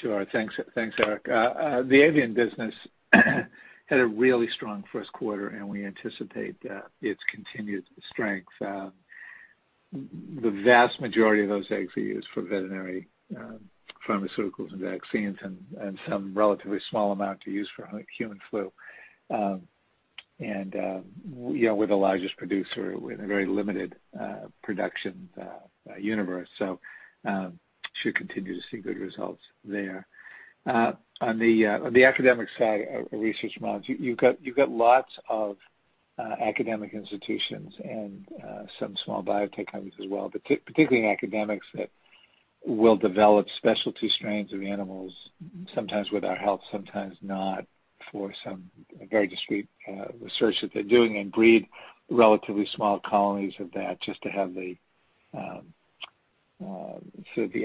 Sure. Thanks, Eric. The Avian business had a really strong first quarter, and we anticipate its continued strength. The vast majority of those eggs are used for veterinary pharmaceuticals and vaccines, and some relatively small amount are used for human flu. And we're the largest producer. We're in a very limited production universe, so should continue to see good results there. On the academic side of Research Models, you've got lots of academic institutions and some small biotech companies as well, particularly in academics, that will develop specialty strains of animals, sometimes with our help, sometimes not, for some very discreet research that they're doing and breed relatively small colonies of that just to have the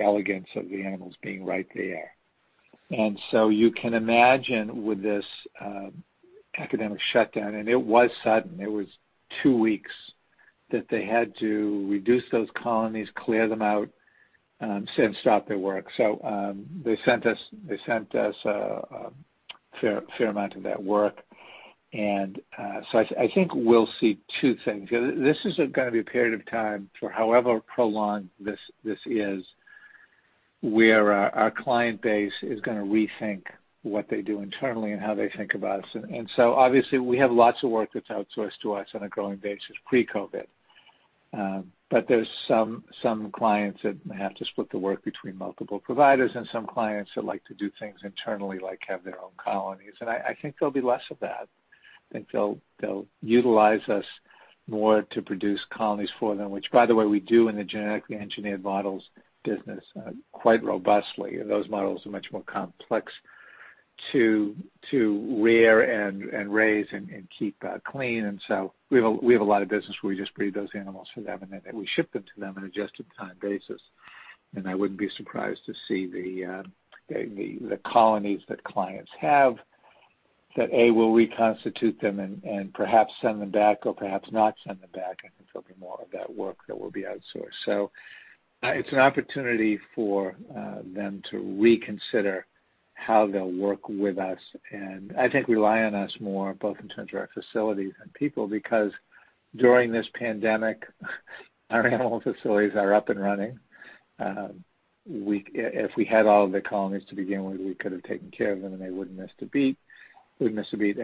elegance of the animals being right there. And so you can imagine with this academic shutdown, and it was sudden. It was two weeks that they had to reduce those colonies, clear them out, and stop their work. So they sent us a fair amount of that work. And so I think we'll see two things. This is going to be a period of time, for however prolonged this is, where our client base is going to rethink what they do internally and how they think about us. And so obviously, we have lots of work that's outsourced to us on a growing basis pre-COVID. But there's some clients that have to split the work between multiple providers, and some clients that like to do things internally, like have their own colonies. And I think there'll be less of that. I think they'll utilize us more to produce colonies for them, which, by the way, we do in the genetically engineered models business quite robustly. Those models are much more complex to rear and raise and keep clean. And so we have a lot of business where we just breed those animals for them, and then we ship them to them on a just-in-time basis. And I wouldn't be surprised to see the colonies that clients have that will reconstitute them and perhaps send them back, or perhaps not send them back. I think there'll be more of that work that will be outsourced. So it's an opportunity for them to reconsider how they'll work with us. And I think rely on us more, both in terms of our facilities and people, because during this pandemic, our animal facilities are up and running. If we had all of the colonies to begin with, we could have taken care of them, and they wouldn't miss a beat. And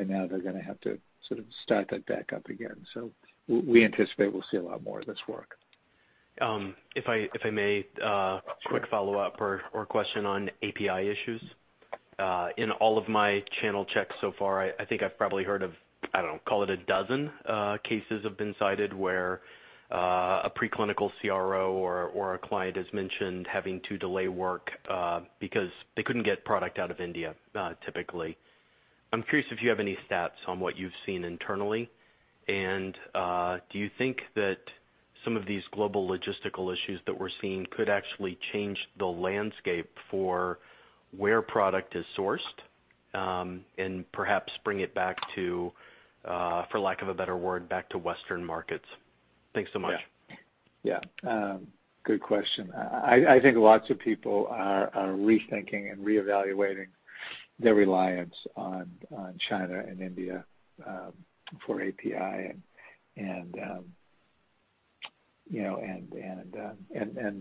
now they're going to have to sort of start that back up again. So we anticipate we'll see a lot more of this work. If I may, quick follow-up or question on API issues. In all of my channel checks so far, I think I've probably heard of, I don't know, call it a dozen cases have been cited where a preclinical CRO or a client has mentioned having to delay work because they couldn't get product out of India, typically. I'm curious if you have any stats on what you've seen internally. And do you think that some of these global logistical issues that we're seeing could actually change the landscape for where product is sourced and perhaps bring it back to, for lack of a better word, back to Western markets? Thanks so much. Yeah. Yeah. Good question. I think lots of people are rethinking and reevaluating their reliance on China and India for API and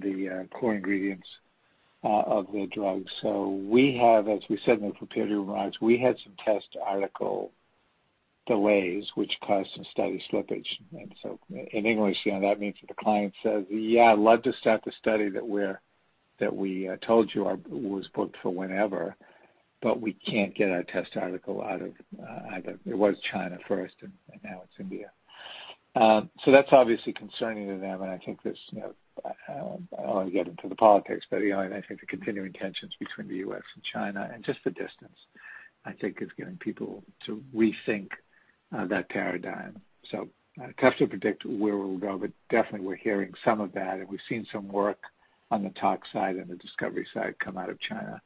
the core ingredients of the drugs. So we have, as we said in the preparatory remarks, we had some test article delays, which caused some study slippage. And so in English, that means that the client says, "Yeah, I'd love to start the study that we told you was booked for whenever, but we can't get our test article out of either." It was China first, and now it's India. So that's obviously concerning to them. And I think this, I don't want to get into the politics, but I think the continuing tensions between the U.S. and China and just the distance, I think, is getting people to rethink that paradigm. So tough to predict where we'll go, but definitely we're hearing some of that. And we've seen some work on the tox side and the Discovery side come out of China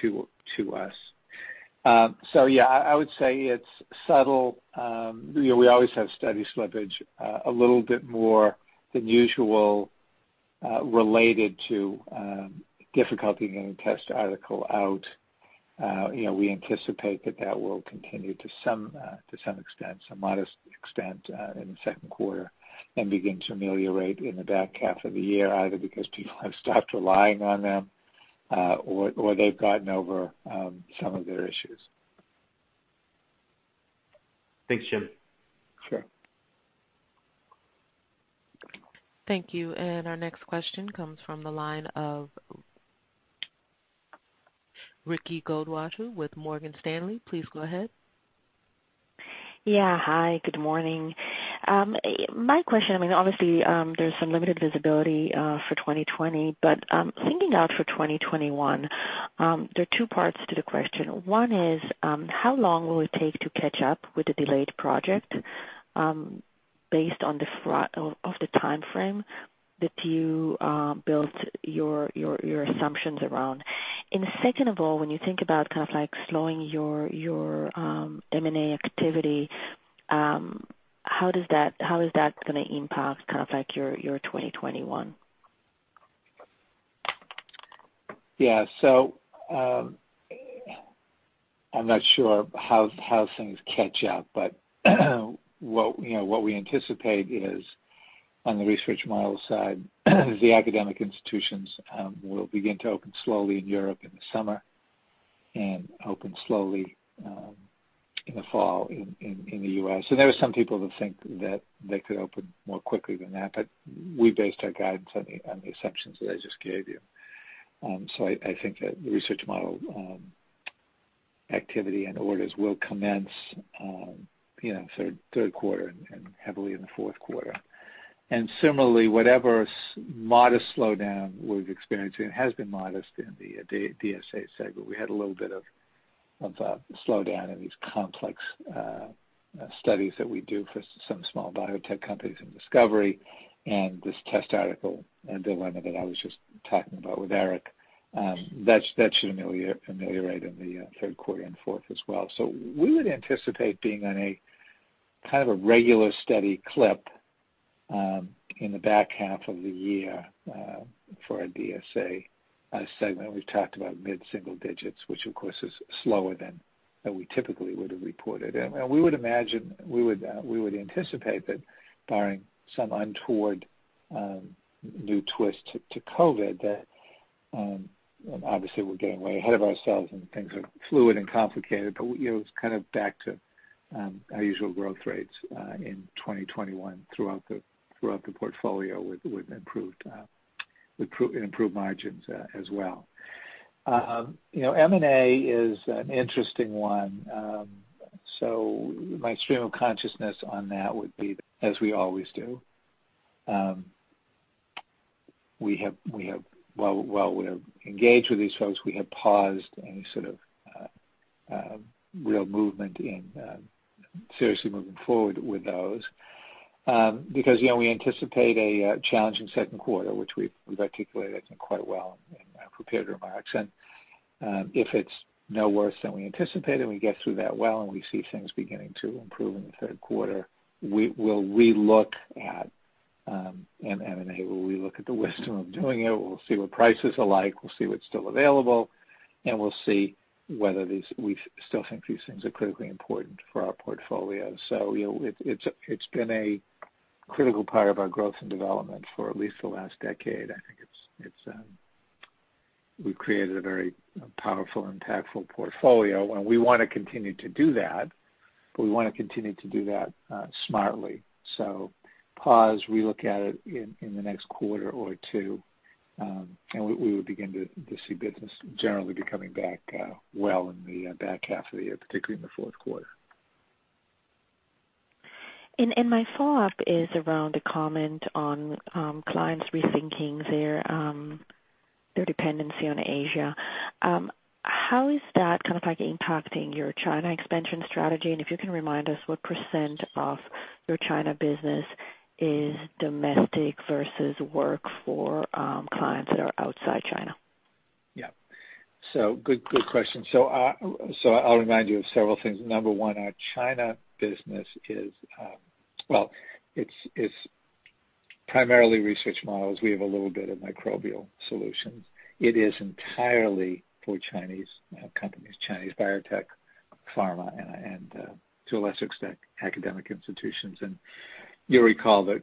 to us. So yeah, I would say it's subtle. We always have study slippage, a little bit more than usual related to difficulty getting a test article out. We anticipate that that will continue to some extent, some modest extent in the second quarter, and begin to ameliorate in the back half of the year, either because people have stopped relying on them or they've gotten over some of their issues. Thanks, James. Sure. Thank you. And our next question comes from the line of Ricky Goldwasser with Morgan Stanley. Please go ahead. Yeah. Hi. Good morning. My question—I mean, obviously, there's some limited visibility for 2020, but thinking out for 2021, there are two parts to the question. One is, how long will it take to catch up with the delayed project based on the timeframe that you built your assumptions around? And second of all, when you think about kind of slowing your M&A activity, how is that going to impact kind of your 2021? Yeah. So I'm not sure how things catch up, but what we anticipate is, on the research model side, the academic institutions will begin to open slowly in Europe in the summer and open slowly in the fall in the U.S. And there are some people that think that they could open more quickly than that, but we based our guidance on the assumptions that I just gave you. So I think that the research model activity and orders will commence third quarter and heavily in the fourth quarter. Similarly, whatever modest slowdown we've experienced, and it has been modest in the DSA segment, we had a little bit of slowdown in these complex studies that we do for some small biotech companies in Discovery and this test article dilemma that I was just talking about with Eric. That should ameliorate in the third quarter and fourth as well. We would anticipate being on kind of a regular steady clip in the back half of the year for our DSA segment. We've talked about mid-single digits, which, of course, is slower than we typically would have reported. We would anticipate that, barring some untoward new twist to COVID, that obviously we're getting way ahead of ourselves and things are fluid and complicated, but it's kind of back to our usual growth rates in 2021 throughout the portfolio with improved margins as well. M&A is an interesting one. So my stream of consciousness on that would be, as we always do. While we're engaged with these folks, we have paused any sort of real movement in seriously moving forward with those because we anticipate a challenging second quarter, which we've articulated, I think, quite well in our preparatory remarks, and if it's no worse than we anticipated, we get through that well, and we see things beginning to improve in the third quarter, we'll re-look at M&A. We'll re-look at the wisdom of doing it. We'll see what prices are like. We'll see what's still available, and we'll see whether we still think these things are critically important for our portfolio, so it's been a critical part of our growth and development for at least the last decade. I think we've created a very powerful, impactful portfolio. And we want to continue to do that, but we want to continue to do that smartly. So pause, re-look at it in the next quarter or two, and we would begin to see business generally becoming back well in the back half of the year, particularly in the fourth quarter. And my follow-up is around a comment on clients rethinking their dependency on Asia. How is that kind of impacting your China expansion strategy? And if you can remind us, what % of your China business is domestic versus work for clients that are outside China? Yeah. So good question. So I'll remind you of several things. Number one, our China business is, well, it's primarily Research Models. We have a little bit of Sicrobial solutions. It is entirely for Chinese companies, Chinese biotech, pharma, and to a lesser extent, academic institutions. And you'll recall that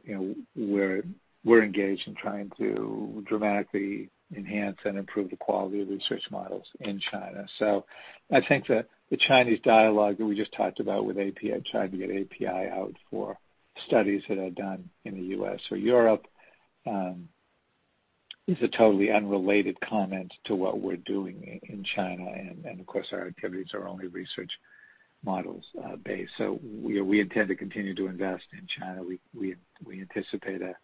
we're engaged in trying to dramatically enhance and improve the quality of Research Models in China. So I think the Chinese dialogue that we just talked about with API trying to get API out for studies that are done in the U.S. or Europe is a totally unrelated comment to what we're doing in China. And of course, our activities are only Research Models-based. So we intend to continue to invest in China. We anticipate a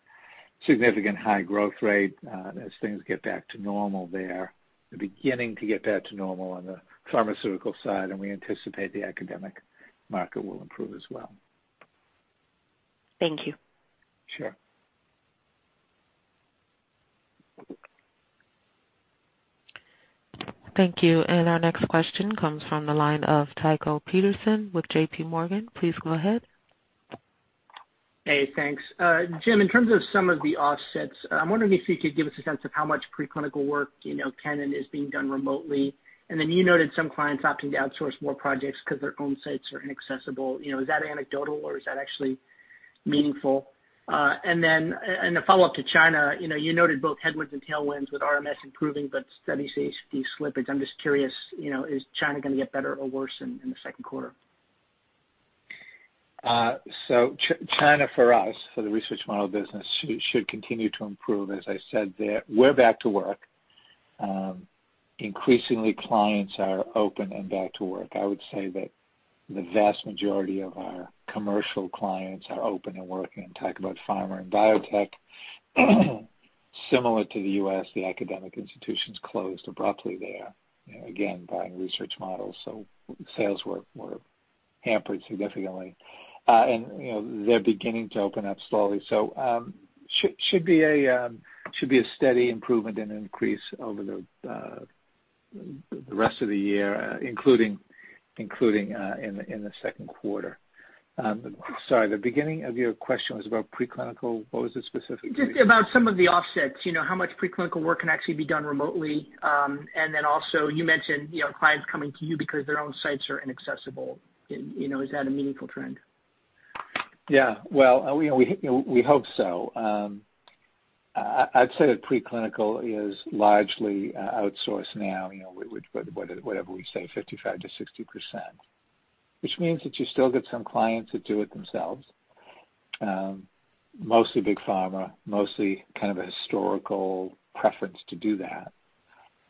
significant high growth rate as things get back to normal there, beginning to get back to normal on the pharmaceutical side, and we anticipate the academic market will improve as well. Thank you. Sure. Thank you. And our next question comes from the line of Tycho Peterson with JPMorgan. Please go ahead. Hey, thanks. James, in terms of some of the offsets, I'm wondering if you could give us a sense of how much preclinical work can and is being done remotely. And then you noted some clients opting to outsource more projects because their own sites are inaccessible. Is that anecdotal, or is that actually meaningful? And then in a follow-up to China, you noted both headwinds and tailwinds with RMS improving, but studies see slippage. I'm just curious, is China going to get better or worse in the second quarter? So China for us, for the research model business, should continue to improve. As I said, we're back to work. Increasingly, clients are open and back to work. I would say that the vast majority of our commercial clients are open and working. And talk about pharma and biotech. Similar to the U.S., the academic institutions closed abruptly there, again, buying Research Models. So sales were hampered significantly. And they're beginning to open up slowly. So it should be a steady improvement and increase over the rest of the year, including in the second quarter. Sorry, the beginning of your question was about preclinical. What was the specific question? Just about some of the offsets, how much preclinical work can actually be done remotely. And then also, you mentioned clients coming to you because their own sites are inaccessible. Is that a meaningful trend? Yeah. Well, we hope so. I'd say that preclinical is largely outsourced now, whatever we say, 55%-60%, which means that you still get some clients that do it themselves, mostly big pharma, mostly kind of a historical preference to do that.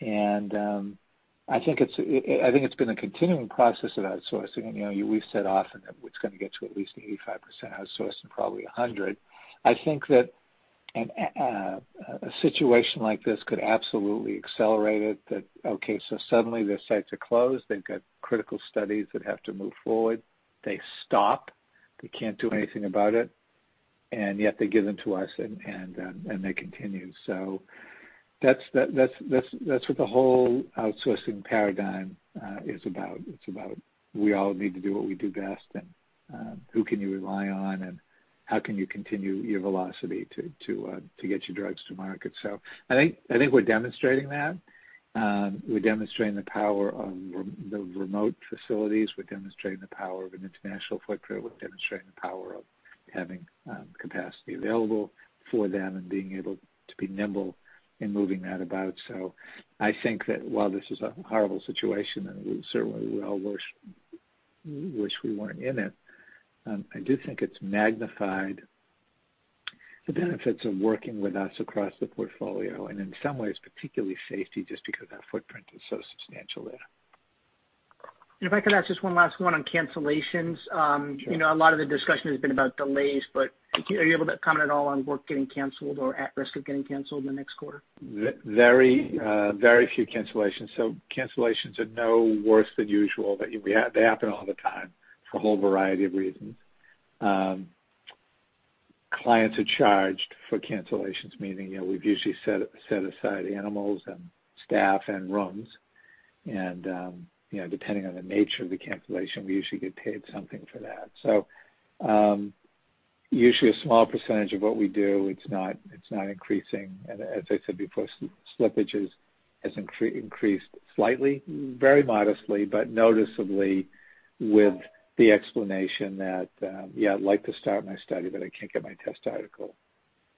I think it's been a continuing process of outsourcing. We've set off in that it's going to get to at least 85% outsourced and probably 100. I think that a situation like this could absolutely accelerate it, that, okay, so suddenly their sites are closed, they've got critical studies that have to move forward, they stop, they can't do anything about it, and yet they give them to us and they continue. That's what the whole outsourcing paradigm is about. It's about we all need to do what we do best and who can you rely on and how can you continue your velocity to get your drugs to market. I think we're demonstrating that. We're demonstrating the power of the remote facilities. We're demonstrating the power of an international footprint. We're demonstrating the power of having capacity available for them and being able to be nimble in moving that about. So I think that while this is a horrible situation and we certainly well wish we weren't in it, I do think it's magnified the benefits of working with us across the portfolio and in some ways, particularly safety, just because our footprint is so substantial there. If I could ask just one last one on cancellations. A lot of the discussion has been about delays, but are you able to comment at all on work getting canceled or at risk of getting canceled in the next quarter? Very few cancellations. So cancellations are no worse than usual. They happen all the time for a whole variety of reasons. Clients are charged for cancellations, meaning we've usually set aside animals and staff and rooms. And depending on the nature of the cancellation, we usually get paid something for that. So usually a small percentage of what we do, it's not increasing. And as I said before, slippage has increased slightly, very modestly, but noticeably with the explanation that, yeah, I'd like to start my study, but I can't get my test article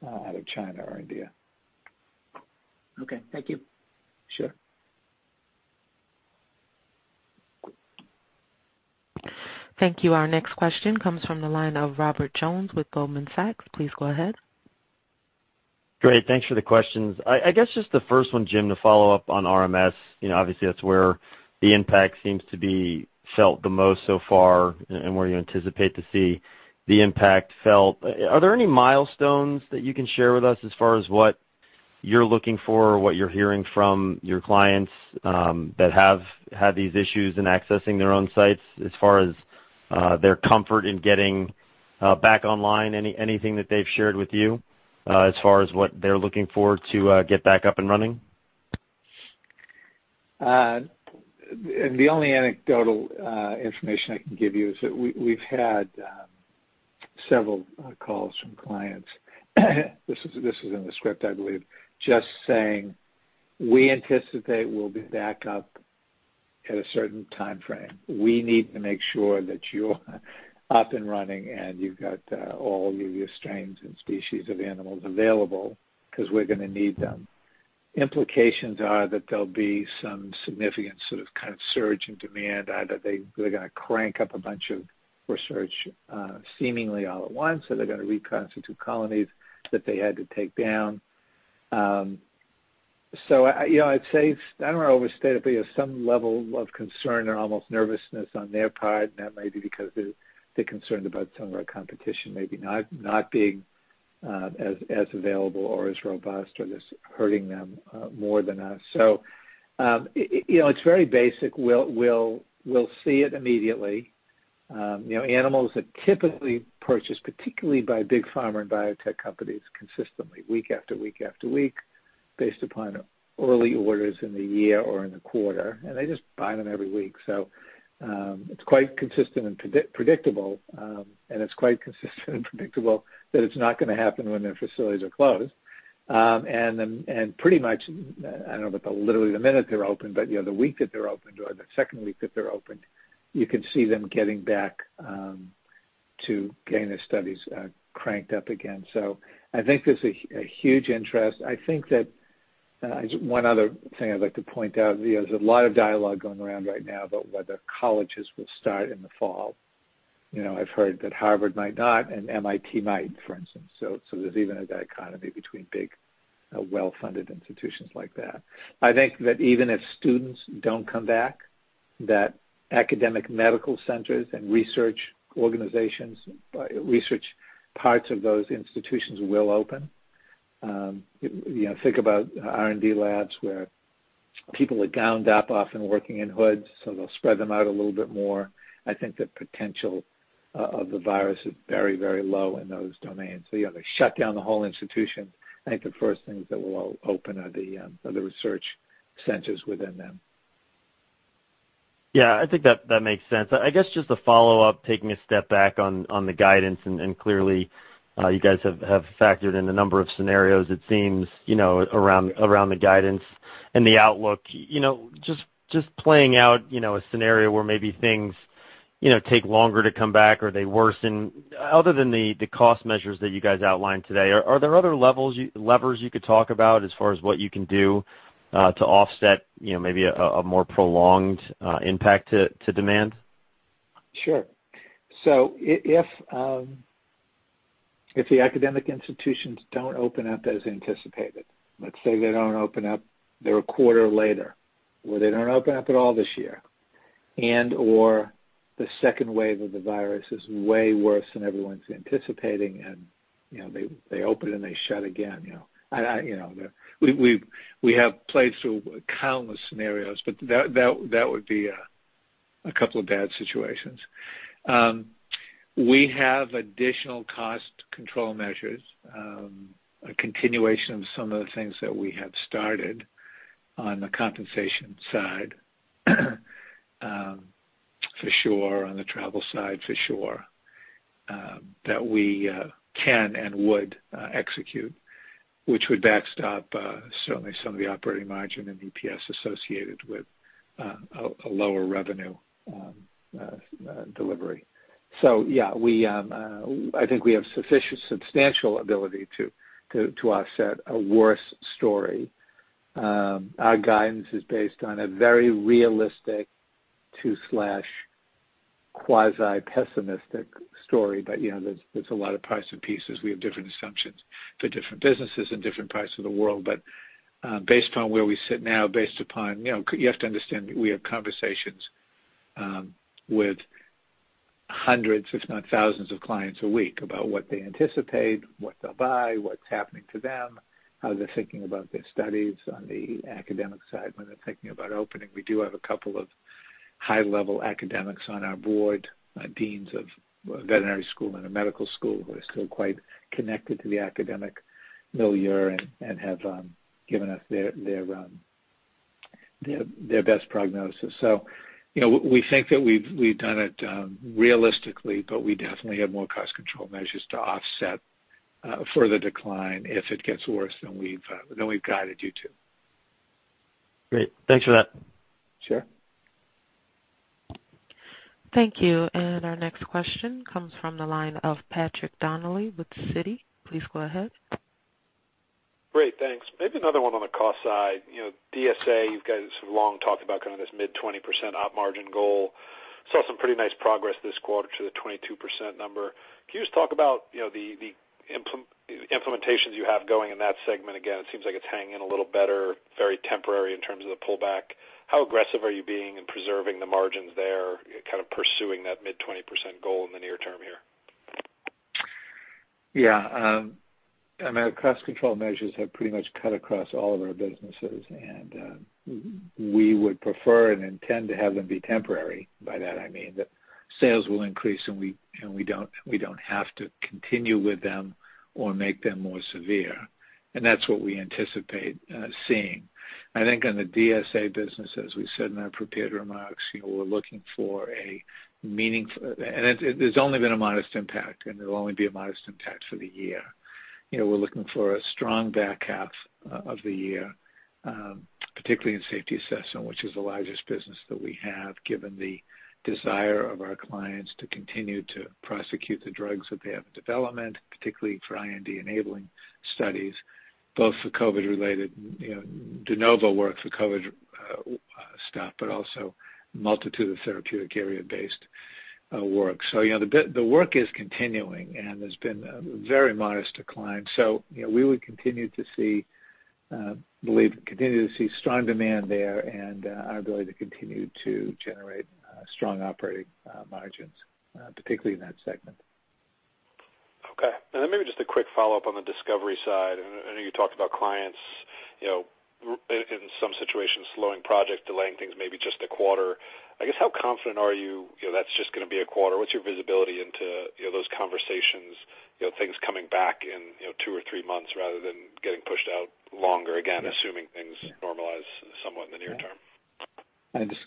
out of China or India. Okay. Thank you. Sure. Thank you. Our next question comes from the line of Robert Jones with Goldman Sachs. Please go ahead. Great. Thanks for the questions. I guess just the first one, James, to follow up on RMS. Obviously, that's where the impact seems to be felt the most so far and where you anticipate to see the impact felt. Are there any milestones that you can share with us as far as what you're looking for or what you're hearing from your clients that have had these issues in accessing their own sites as far as their comfort in getting back online? Anything that they've shared with you as far as what they're looking for to get back up and running? The only anecdotal information I can give you is that we've had several calls from clients. This was in the script, I believe, just saying, "We anticipate we'll be back up at a certain timeframe. We need to make sure that you're up and running and you've got all of your strains and species of animals available because we're going to need them." Implications are that there'll be some significant sort of kind of surge in demand. Either they're going to crank up a bunch of research seemingly all at once, or they're going to reconstitute colonies that they had to take down. So I'd say I don't want to overstate it, but there's some level of concern or almost nervousness on their part. And that may be because they're concerned about some of our competition maybe not being as available or as robust or just hurting them more than us. So it's very basic. We'll see it immediately. Animals are typically purchased, particularly by big pharma and biotech companies, consistently, week after week after week, based upon early orders in the year or in the quarter. And they just buy them every week. So it's quite consistent and predictable, and it's quite consistent and predictable that it's not going to happen when their facilities are closed. Pretty much, I don't know about literally the minute they're open, but the week that they're opened or the second week that they're opened, you can see them getting back to getting their studies cranked up again. I think there's a huge interest. I think that one other thing I'd like to point out is there's a lot of dialogue going around right now about whether colleges will start in the fall. I've heard that Harvard might not and MIT might, for instance. There's even a dichotomy between big, well-funded institutions like that. I think that even if students don't come back, that academic medical centers and research organizations, research parts of those institutions will open. Think about R&D labs where people are gowned up, often working in hoods, so they'll spread them out a little bit more. I think the potential of the virus is very, very low in those domains. So they shut down the whole institution. I think the first things that will open are the research centers within them. Yeah. I think that makes sense. I guess just a follow-up, taking a step back on the guidance, and clearly you guys have factored in a number of scenarios, it seems, around the guidance and the outlook. Just playing out a scenario where maybe things take longer to come back or they worsen. Other than the cost measures that you guys outlined today, are there other levers you could talk about as far as what you can do to offset maybe a more prolonged impact to demand? Sure. So if the academic institutions don't open up as anticipated, let's say they don't open up their quarter later or they don't open up at all this year, and/or the second wave of the virus is way worse than everyone's anticipating, and they open and they shut again. We have played through countless scenarios, but that would be a couple of bad situations. We have additional cost control measures, a continuation of some of the things that we have started on the compensation side, for sure, on the travel side, for sure, that we can and would execute, which would backstop certainly some of the operating margin and EPS associated with a lower revenue delivery. So yeah, I think we have sufficient substantial ability to offset a worse story. Our guidance is based on a very realistic to quasi-pessimistic story, but there's a lot of parts and pieces. We have different assumptions for different businesses and different parts of the world. But based on where we sit now, based upon you have to understand that we have conversations with hundreds, if not thousands of clients a week about what they anticipate, what they'll buy, what's happening to them, how they're thinking about their studies on the academic side when they're thinking about opening. We do have a couple of high-level academics on our board, deans of veterinary school and a medical school who are still quite connected to the academic milieu and have given us their best prognosis, so we think that we've done it realistically, but we definitely have more cost control measures to offset further decline if it gets worse than we've guided you to. Great. Thanks for that. Sure. Thank you, and our next question comes from the line of Patrick Donnelly with Citi. Please go ahead. Thanks. Maybe another one on the cost side. DSA, you guys have long talked about kind of this mid-20% up margin goal. Saw some pretty nice progress this quarter to the 22% number. Can you just talk about the implementations you have going in that segment? Again, it seems like it's hanging in a little better, very temporary in terms of the pullback. How aggressive are you being in preserving the margins there, kind of pursuing that mid-20% goal in the near term here? Yeah. I mean, our cost control measures have pretty much cut across all of our businesses, and we would prefer and intend to have them be temporary. By that, I mean that sales will increase and we don't have to continue with them or make them more severe. And that's what we anticipate seeing. I think on the DSA business, as we said in our prepared remarks, we're looking for a meaningful and there's only been a modest impact, and there'll only be a modest impact for the year. We're looking for a strong back half of the year, particularly in Safety Assessment, which is the largest business that we have, given the desire of our clients to continue to prosecute the drugs that they have in development, particularly for IND-enabling studies, both for COVID-related de novo work for COVID stuff, but also a multitude of therapeutic area-based work. So the work is continuing, and there's been a very modest decline. So we would continue to see, believe, continue to see strong demand there and our ability to continue to generate strong operating margins, particularly in that segment. Okay. And then maybe just a quick follow-up on the Discovery side. I know you talked about clients in some situations slowing projects, delaying things maybe just a quarter. I guess how confident are you that's just going to be a quarter? What's your visibility into those conversations, things coming back in two or three months rather than getting pushed out longer, again, assuming things normalize somewhat in the near term?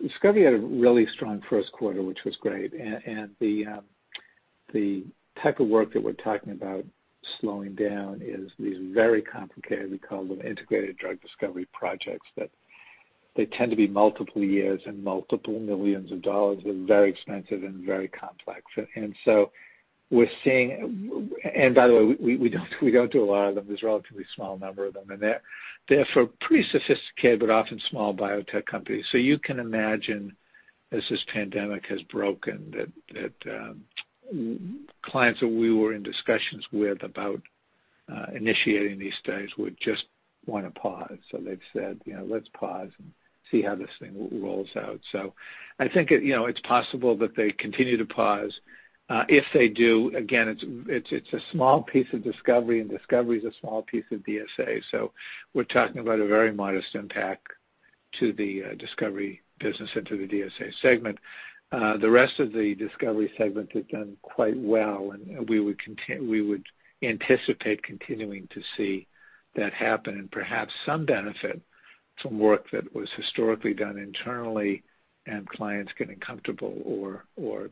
Discovery had a really strong first quarter, which was great. And the type of work that we're talking about slowing down is these very complicated, we call them Integrated Drug Discovery projects, that they tend to be multiple years and multiple millions of dollars. They're very expensive and very complex. And so we're seeing, and by the way, we don't do a lot of them. There's a relatively small number of them. And they're for pretty sophisticated but often small biotech companies. So you can imagine, as this pandemic has broken, that clients that we were in discussions with about initiating these studies would just want to pause. So they've said, "Let's pause and see how this thing rolls out." So I think it's possible that they continue to pause. If they do, again, it's a small piece of Discovery, and Discovery is a small piece of DSA. So we're talking about a very modest impact to the Discovery business and to the DSA segment. The rest of the Discovery segment has done quite well, and we would anticipate continuing to see that happen and perhaps some benefit from work that was historically done internally and clients getting comfortable or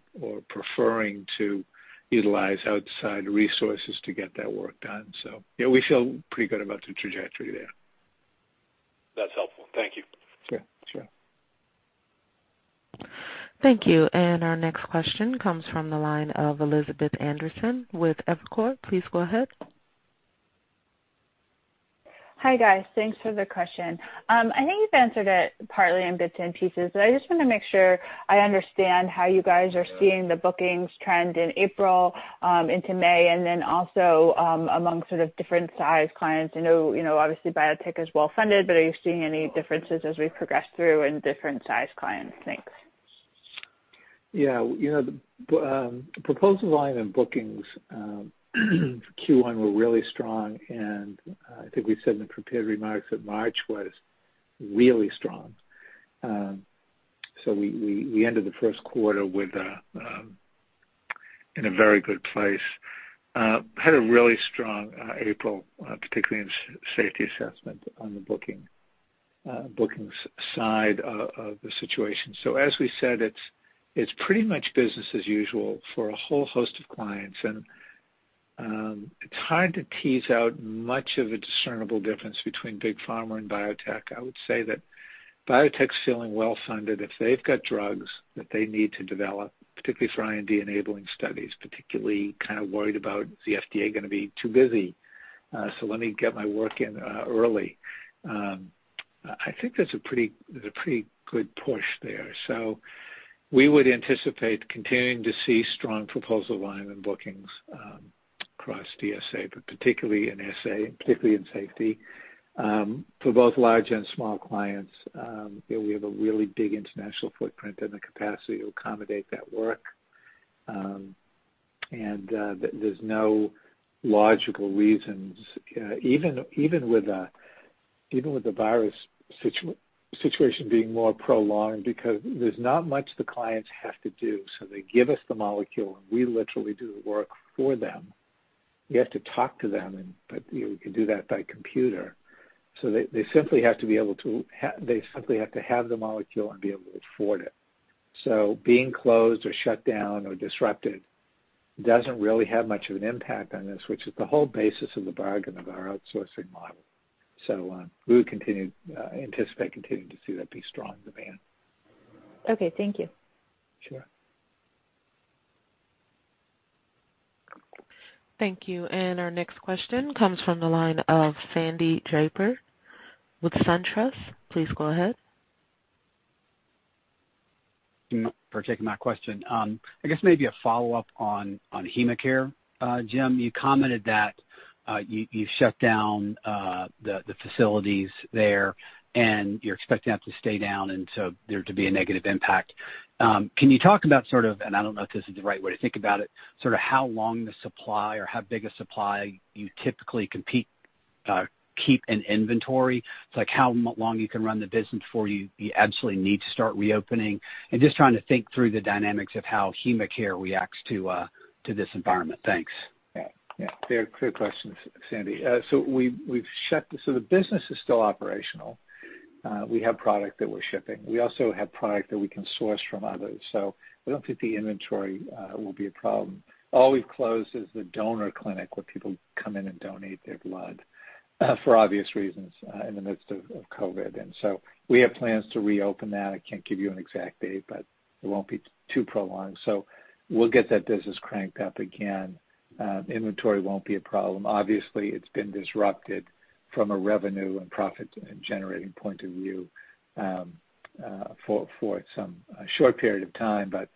preferring to utilize outside resources to get that work done. So yeah, we feel pretty good about the trajectory there. That's helpful. Thank you. Sure. Sure. Thank you. Our next question comes from the line of Elizabeth Anderson with Evercore. Please go ahead. Hi, guys. Thanks for the question. I think you've answered it partly in bits and pieces, but I just want to make sure I understand how you guys are seeing the bookings trend in April into May and then also among sort of different size clients. I know, obviously, biotech is well-funded, but are you seeing any differences as we progress through in different size clients? Thanks. Yeah. The proposal volume and bookings Q1 were really strong, and I think we said in the prepared remarks that March was really strong. So we ended the first quarter in a very good place. Had a really strong April, particularly in Safety Assessment on the bookings side of the situation. So as we said, it's pretty much business as usual for a whole host of clients. It's hard to tease out much of a discernible difference between big pharma and biotech. I would say that biotech's feeling well-funded if they've got drugs that they need to develop, particularly for IND-enabling studies, particularly kind of worried about, "Is the FDA going to be too busy? So let me get my work in early." I think there's a pretty good push there. So we would anticipate continuing to see strong proposal volume and bookings across DSA, but particularly in SA, particularly in safety. For both large and small clients, we have a really big international footprint and the capacity to accommodate that work. And there's no logical reasons, even with the virus situation being more prolonged, because there's not much the clients have to do. So they give us the molecule, and we literally do the work for them. You have to talk to them, but we can do that by computer. So they simply have to be able to have the molecule and be able to afford it. So being closed or shut down or disrupted doesn't really have much of an impact on this, which is the whole basis of the bargain of our outsourcing model. So we would anticipate continuing to see that be strong demand. Okay. Thank you. Sure. Thank you. And our next question comes from the line of Sandy Draper with SunTrust. Please go ahead. Particularly my question. I guess maybe a follow-up on HemaCare. James, you commented that you shut down the facilities there, and you're expecting that to stay down and so there to be a negative impact. Can you talk about sort of, and I don't know if this is the right way to think about it, sort of how long the supply or how big a supply you typically keep in inventory? It's like how long you can run the business before you absolutely need to start reopening. And just trying to think through the dynamics of how HemaCare reacts to this environment. Thanks. Yeah. Yeah. Very clear questions, Sandy. So we've shut. So the business is still operational. We have product that we're shipping. We also have product that we can source from others. So I don't think the inventory will be a problem. All we've closed is the donor clinic where people come in and donate their blood for obvious reasons in the midst of COVID. And so we have plans to reopen that. I can't give you an exact date, but it won't be too prolonged. So we'll get that business cranked up again. Inventory won't be a problem. Obviously, it's been disrupted from a revenue and profit-generating point of view for some short period of time. But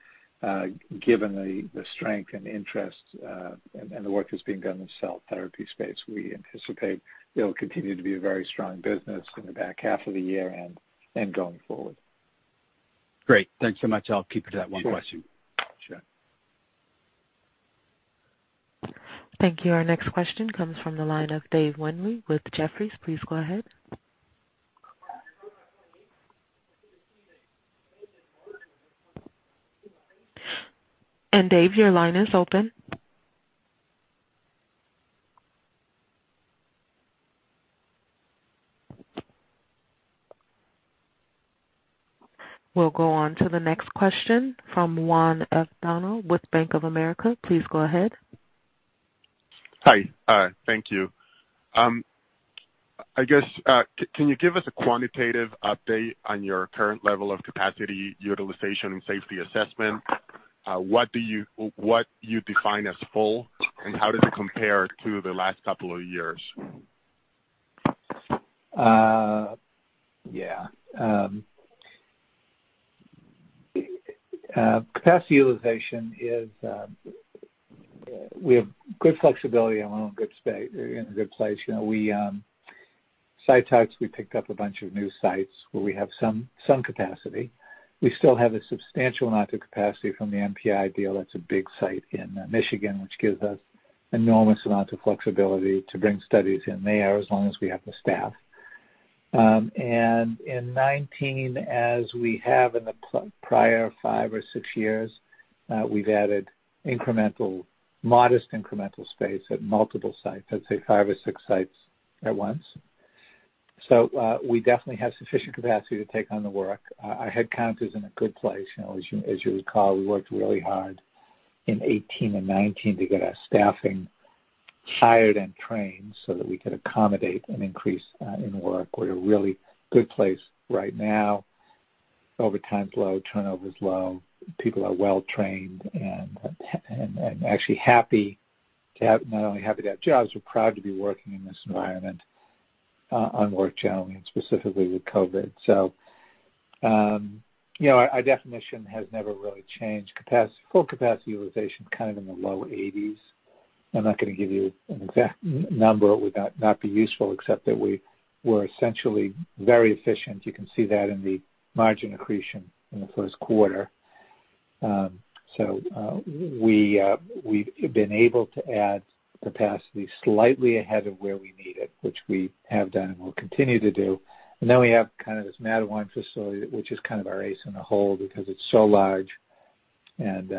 given the strength and interest and the work that's being done in the cell therapy space, we anticipate it'll continue to be a very strong business in the back half of the year and going forward. Great. Thanks so much. I'll keep it to that one question. Sure. Thank you. Our next question comes from the line of David Windley with Jefferies. Please go ahead. And Dave, your line is open. We'll go on to the next question from Juan Avendano with Bank of America. Please go ahead. Hi. Thank you.I guess, can you give us a quantitative update on your current level of capacity utilization and Safety Assessment? What do you define as full, and how does it compare to the last couple of years? Yeah. Capacity utilization is we have good flexibility and we're in a good place. We site-touch. We picked up a bunch of new sites where we have some capacity. We still have a substantial amount of capacity from the MPI deal. That's a big site in Michigan, which gives us an enormous amount of flexibility to bring studies in there as long as we have the staff. And in 2019, as we have in the prior five or six years, we've added incremental, modest incremental space at multiple sites, let's say five or six sites at once. So we definitely have sufficient capacity to take on the work. Our headcount is in a good place. As you recall, we worked really hard in 2018 and 2019 to get our staffing hired and trained so that we could accommodate an increase in work. We're in a really good place right now. Overtime's low. Turnover's low. People are well-trained and actually happy to not only have jobs, but proud to be working in this environment on work generally and specifically with COVID, so our definition has never really changed. Full capacity utilization is kind of in the low 80s. I'm not going to give you an exact number. It would not be useful except that we were essentially very efficient. You can see that in the margin accretion in the first quarter, so we've been able to add capacity slightly ahead of where we need it, which we have done and will continue to do. And then we have kind of this Mattawan facility, which is kind of our ace in the hole because it's so large, and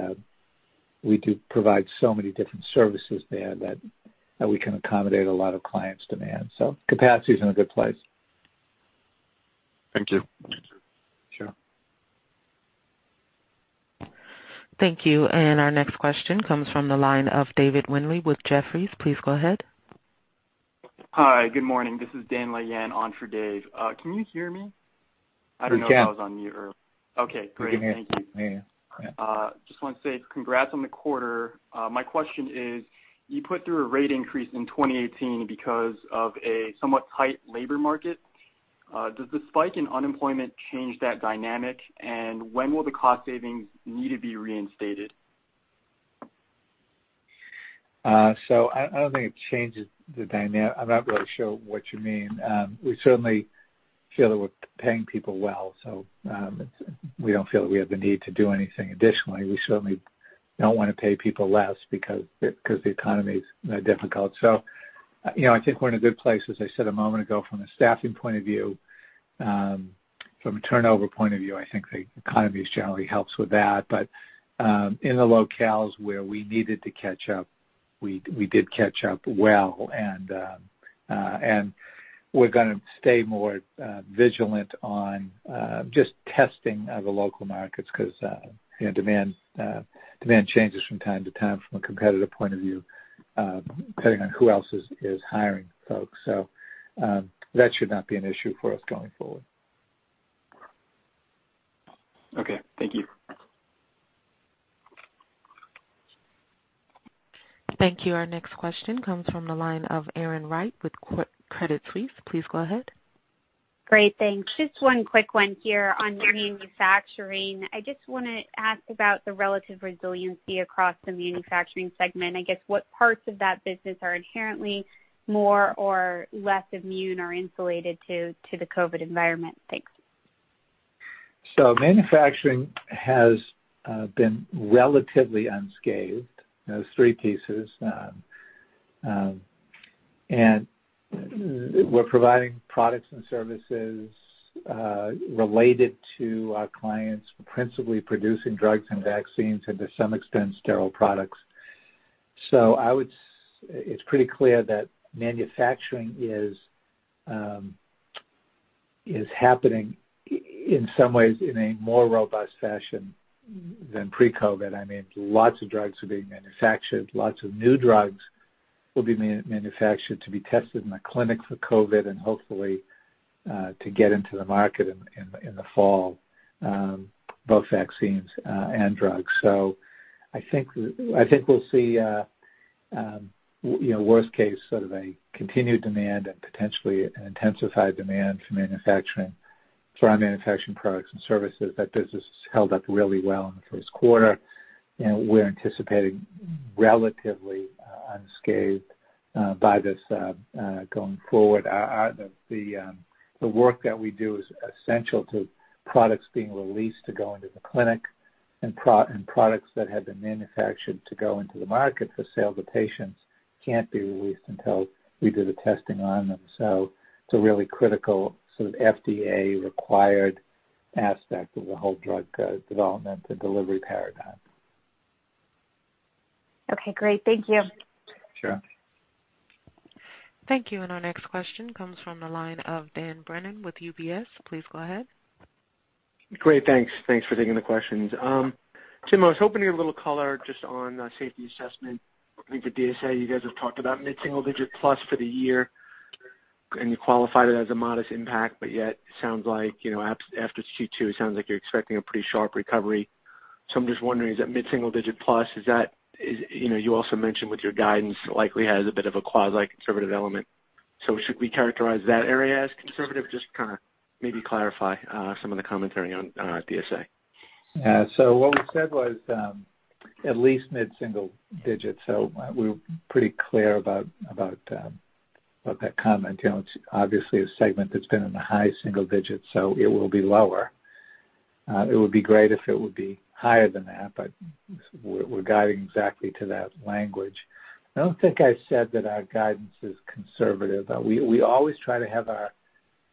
we do provide so many different services there that we can accommodate a lot of clients' demand. So capacity is in a good place. Thank you. Sure. Thank you. And our next question comes from the line of David Windley with Jefferies. Please go ahead. Hi. Good morning. This is Dan Leonard on for Dave. Can you hear me? I don't know if I was on mute earlier. Okay. Great. Thank you. Just want to say congrats on the quarter. My question is, you put through a rate increase in 2018 because of a somewhat tight labor market. Does the spike in unemployment change that dynamic, and when will the cost savings need to be reinstated? So I don't think it changes the dynamic. I'm not really sure what you mean. We certainly feel that we're paying people well, so we don't feel that we have the need to do anything additionally. We certainly don't want to pay people less because the economy's difficult. So I think we're in a good place, as I said a moment ago, from a staffing point of view. From a turnover point of view, I think the economy generally helps with that. But in the locales where we needed to catch up, we did catch up well. And we're going to stay more vigilant on just testing of the local markets because demand changes from time to time from a competitive point of view, depending on who else is hiring folks. So that should not be an issue for us going forward. Okay. Thank you. Thank you. Our next question comes from the line of Erin Wright with Credit Suisse. Please go ahead. Great. Thanks. Just one quick one here on manufacturing. I just want to ask about the relative resiliency across the Manufacturing segment. I guess, what parts of that business are inherently more or less immune or insulated to the COVID environment? Thanks. So manufacturing has been relatively unscathed. There's three pieces. And we're providing products and services related to our clients. We're principally producing drugs and vaccines and, to some extent, sterile products. So it's pretty clear that manufacturing is happening in some ways in a more robust fashion than pre-COVID. I mean, lots of drugs are being manufactured. Lots of new drugs will be manufactured to be tested in the clinic for COVID and hopefully to get into the market in the fall, both vaccines and drugs. So I think we'll see worst-case sort of a continued demand and potentially an intensified demand for our manufacturing products and services. That business held up really well in the first quarter, and we're anticipating relatively unscathed by this going forward. The work that we do is essential to products being released to go into the clinic and products that have been manufactured to go into the market for sale to patients can't be released until we do the testing on them. So it's a really critical sort of FDA-required aspect of the whole drug development and delivery paradigm. Okay. Great. Thank you. Sure. Thank you. And our next question comes from the line of Dan Brennan with UBS. Please go ahead. Great. Thanks. Thanks for taking the questions. James, I was hoping to hear a little color just on Safety Assessment. I think at DSA, you guys have talked about mid-single digit plus for the year, and you qualified it as a modest impact, but yet it sounds like after Q2, it sounds like you're expecting a pretty sharp recovery. So I'm just wondering, is that mid-single digit plus? You also mentioned with your guidance, it likely has a bit of a quasi-conservative element. So should we characterize that area as conservative? Just kind of maybe clarify some of the commentary on DSA. Yeah. So what we said was at least mid-single digit. So we were pretty clear about that comment. It's obviously a segment that's been in the high single digit, so it will be lower. It would be great if it would be higher than that, but we're guiding exactly to that language. I don't think I said that our guidance is conservative. We always try to have our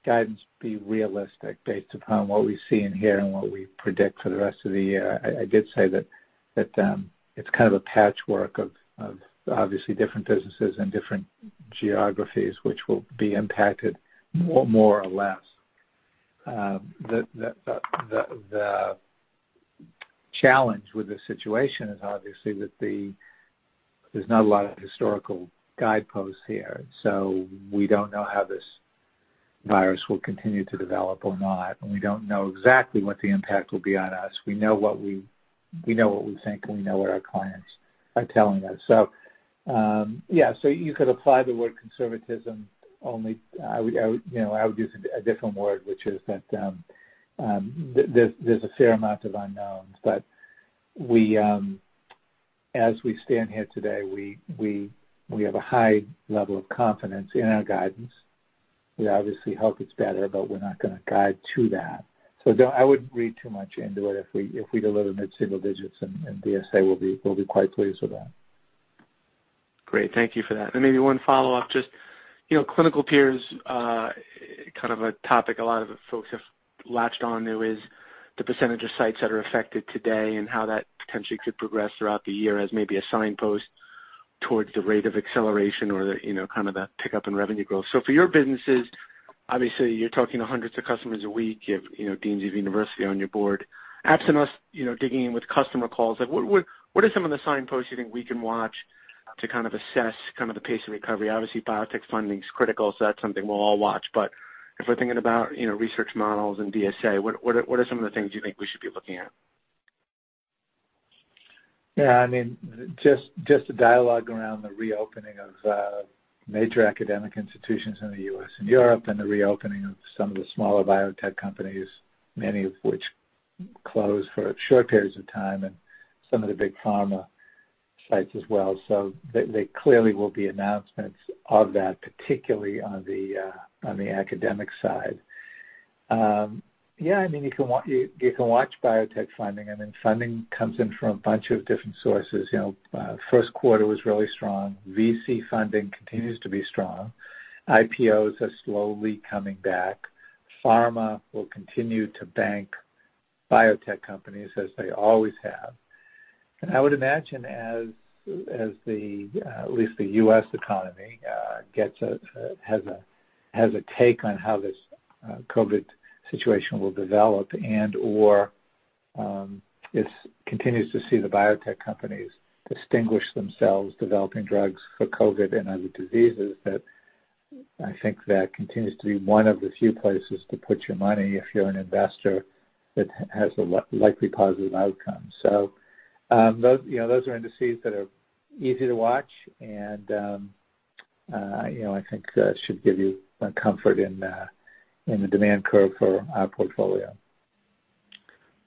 guidance be realistic based upon what we see in here and what we predict for the rest of the year. I did say that it's kind of a patchwork of obviously different businesses and different geographies, which will be impacted more or less. The challenge with the situation is obviously that there's not a lot of historical guideposts here. So we don't know how this virus will continue to develop or not. And we don't know exactly what the impact will be on us. We know what we think, and we know what our clients are telling us. So yeah. So you could apply the word conservatism only. I would use a different word, which is that there's a fair amount of unknowns. But as we stand here today, we have a high level of confidence in our guidance. We obviously hope it's better, but we're not going to guide to that. So I wouldn't read too much into it. If we deliver mid-single digits, then DSA will be quite pleased with that. Great. Thank you for that and maybe one follow-up. Just clinical peers, kind of a topic a lot of folks have latched on to is the percentage of sites that are affected today and how that potentially could progress throughout the year as maybe a signpost towards the rate of acceleration or kind of that pickup in revenue growth. So for your businesses, obviously, you're talking to hundreds of customers a week. You have deans of universities on your board. Perhaps as we dig in with customer calls, what are some of the signposts you think we can watch to kind of assess kind of the pace of recovery? Obviously, biotech funding is critical, so that's something we'll all watch. But if we're thinking about Research Models and DSA, what are some of the things you think we should be looking at? Yeah. I mean, just the dialogue around the reopening of major academic institutions in the U.S. and Europe and the reopening of some of the smaller biotech companies, many of which closed for short periods of time, and some of the big pharma sites as well. So there clearly will be announcements of that, particularly on the academic side. Yeah. I mean, you can watch biotech funding. I mean, funding comes in from a bunch of different sources. First quarter was really strong. VC funding continues to be strong. IPOs are slowly coming back. Pharma will continue to bank biotech companies as they always have. And I would imagine as at least the U.S. economy has a take on how this COVID situation will develop and/or continues to see the biotech companies distinguish themselves developing drugs for COVID and other diseases, that I think that continues to be one of the few places to put your money if you're an investor that has a likely positive outcome. So those are indices that are easy to watch, and I think should give you comfort in the demand curve for our portfolio.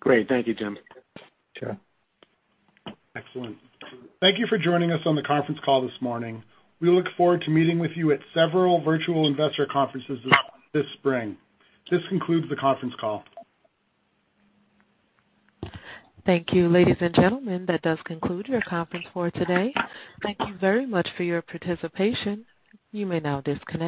Great. Thank you, James. Sure. Excellent. Thank you for joining us on the conference call this morning. We look forward to meeting with you at several virtual investor conferences this spring. This concludes the conference call. Thank you, ladies and gentlemen. That does conclude your conference for today. Thank you very much for your participation. You may now disconnect.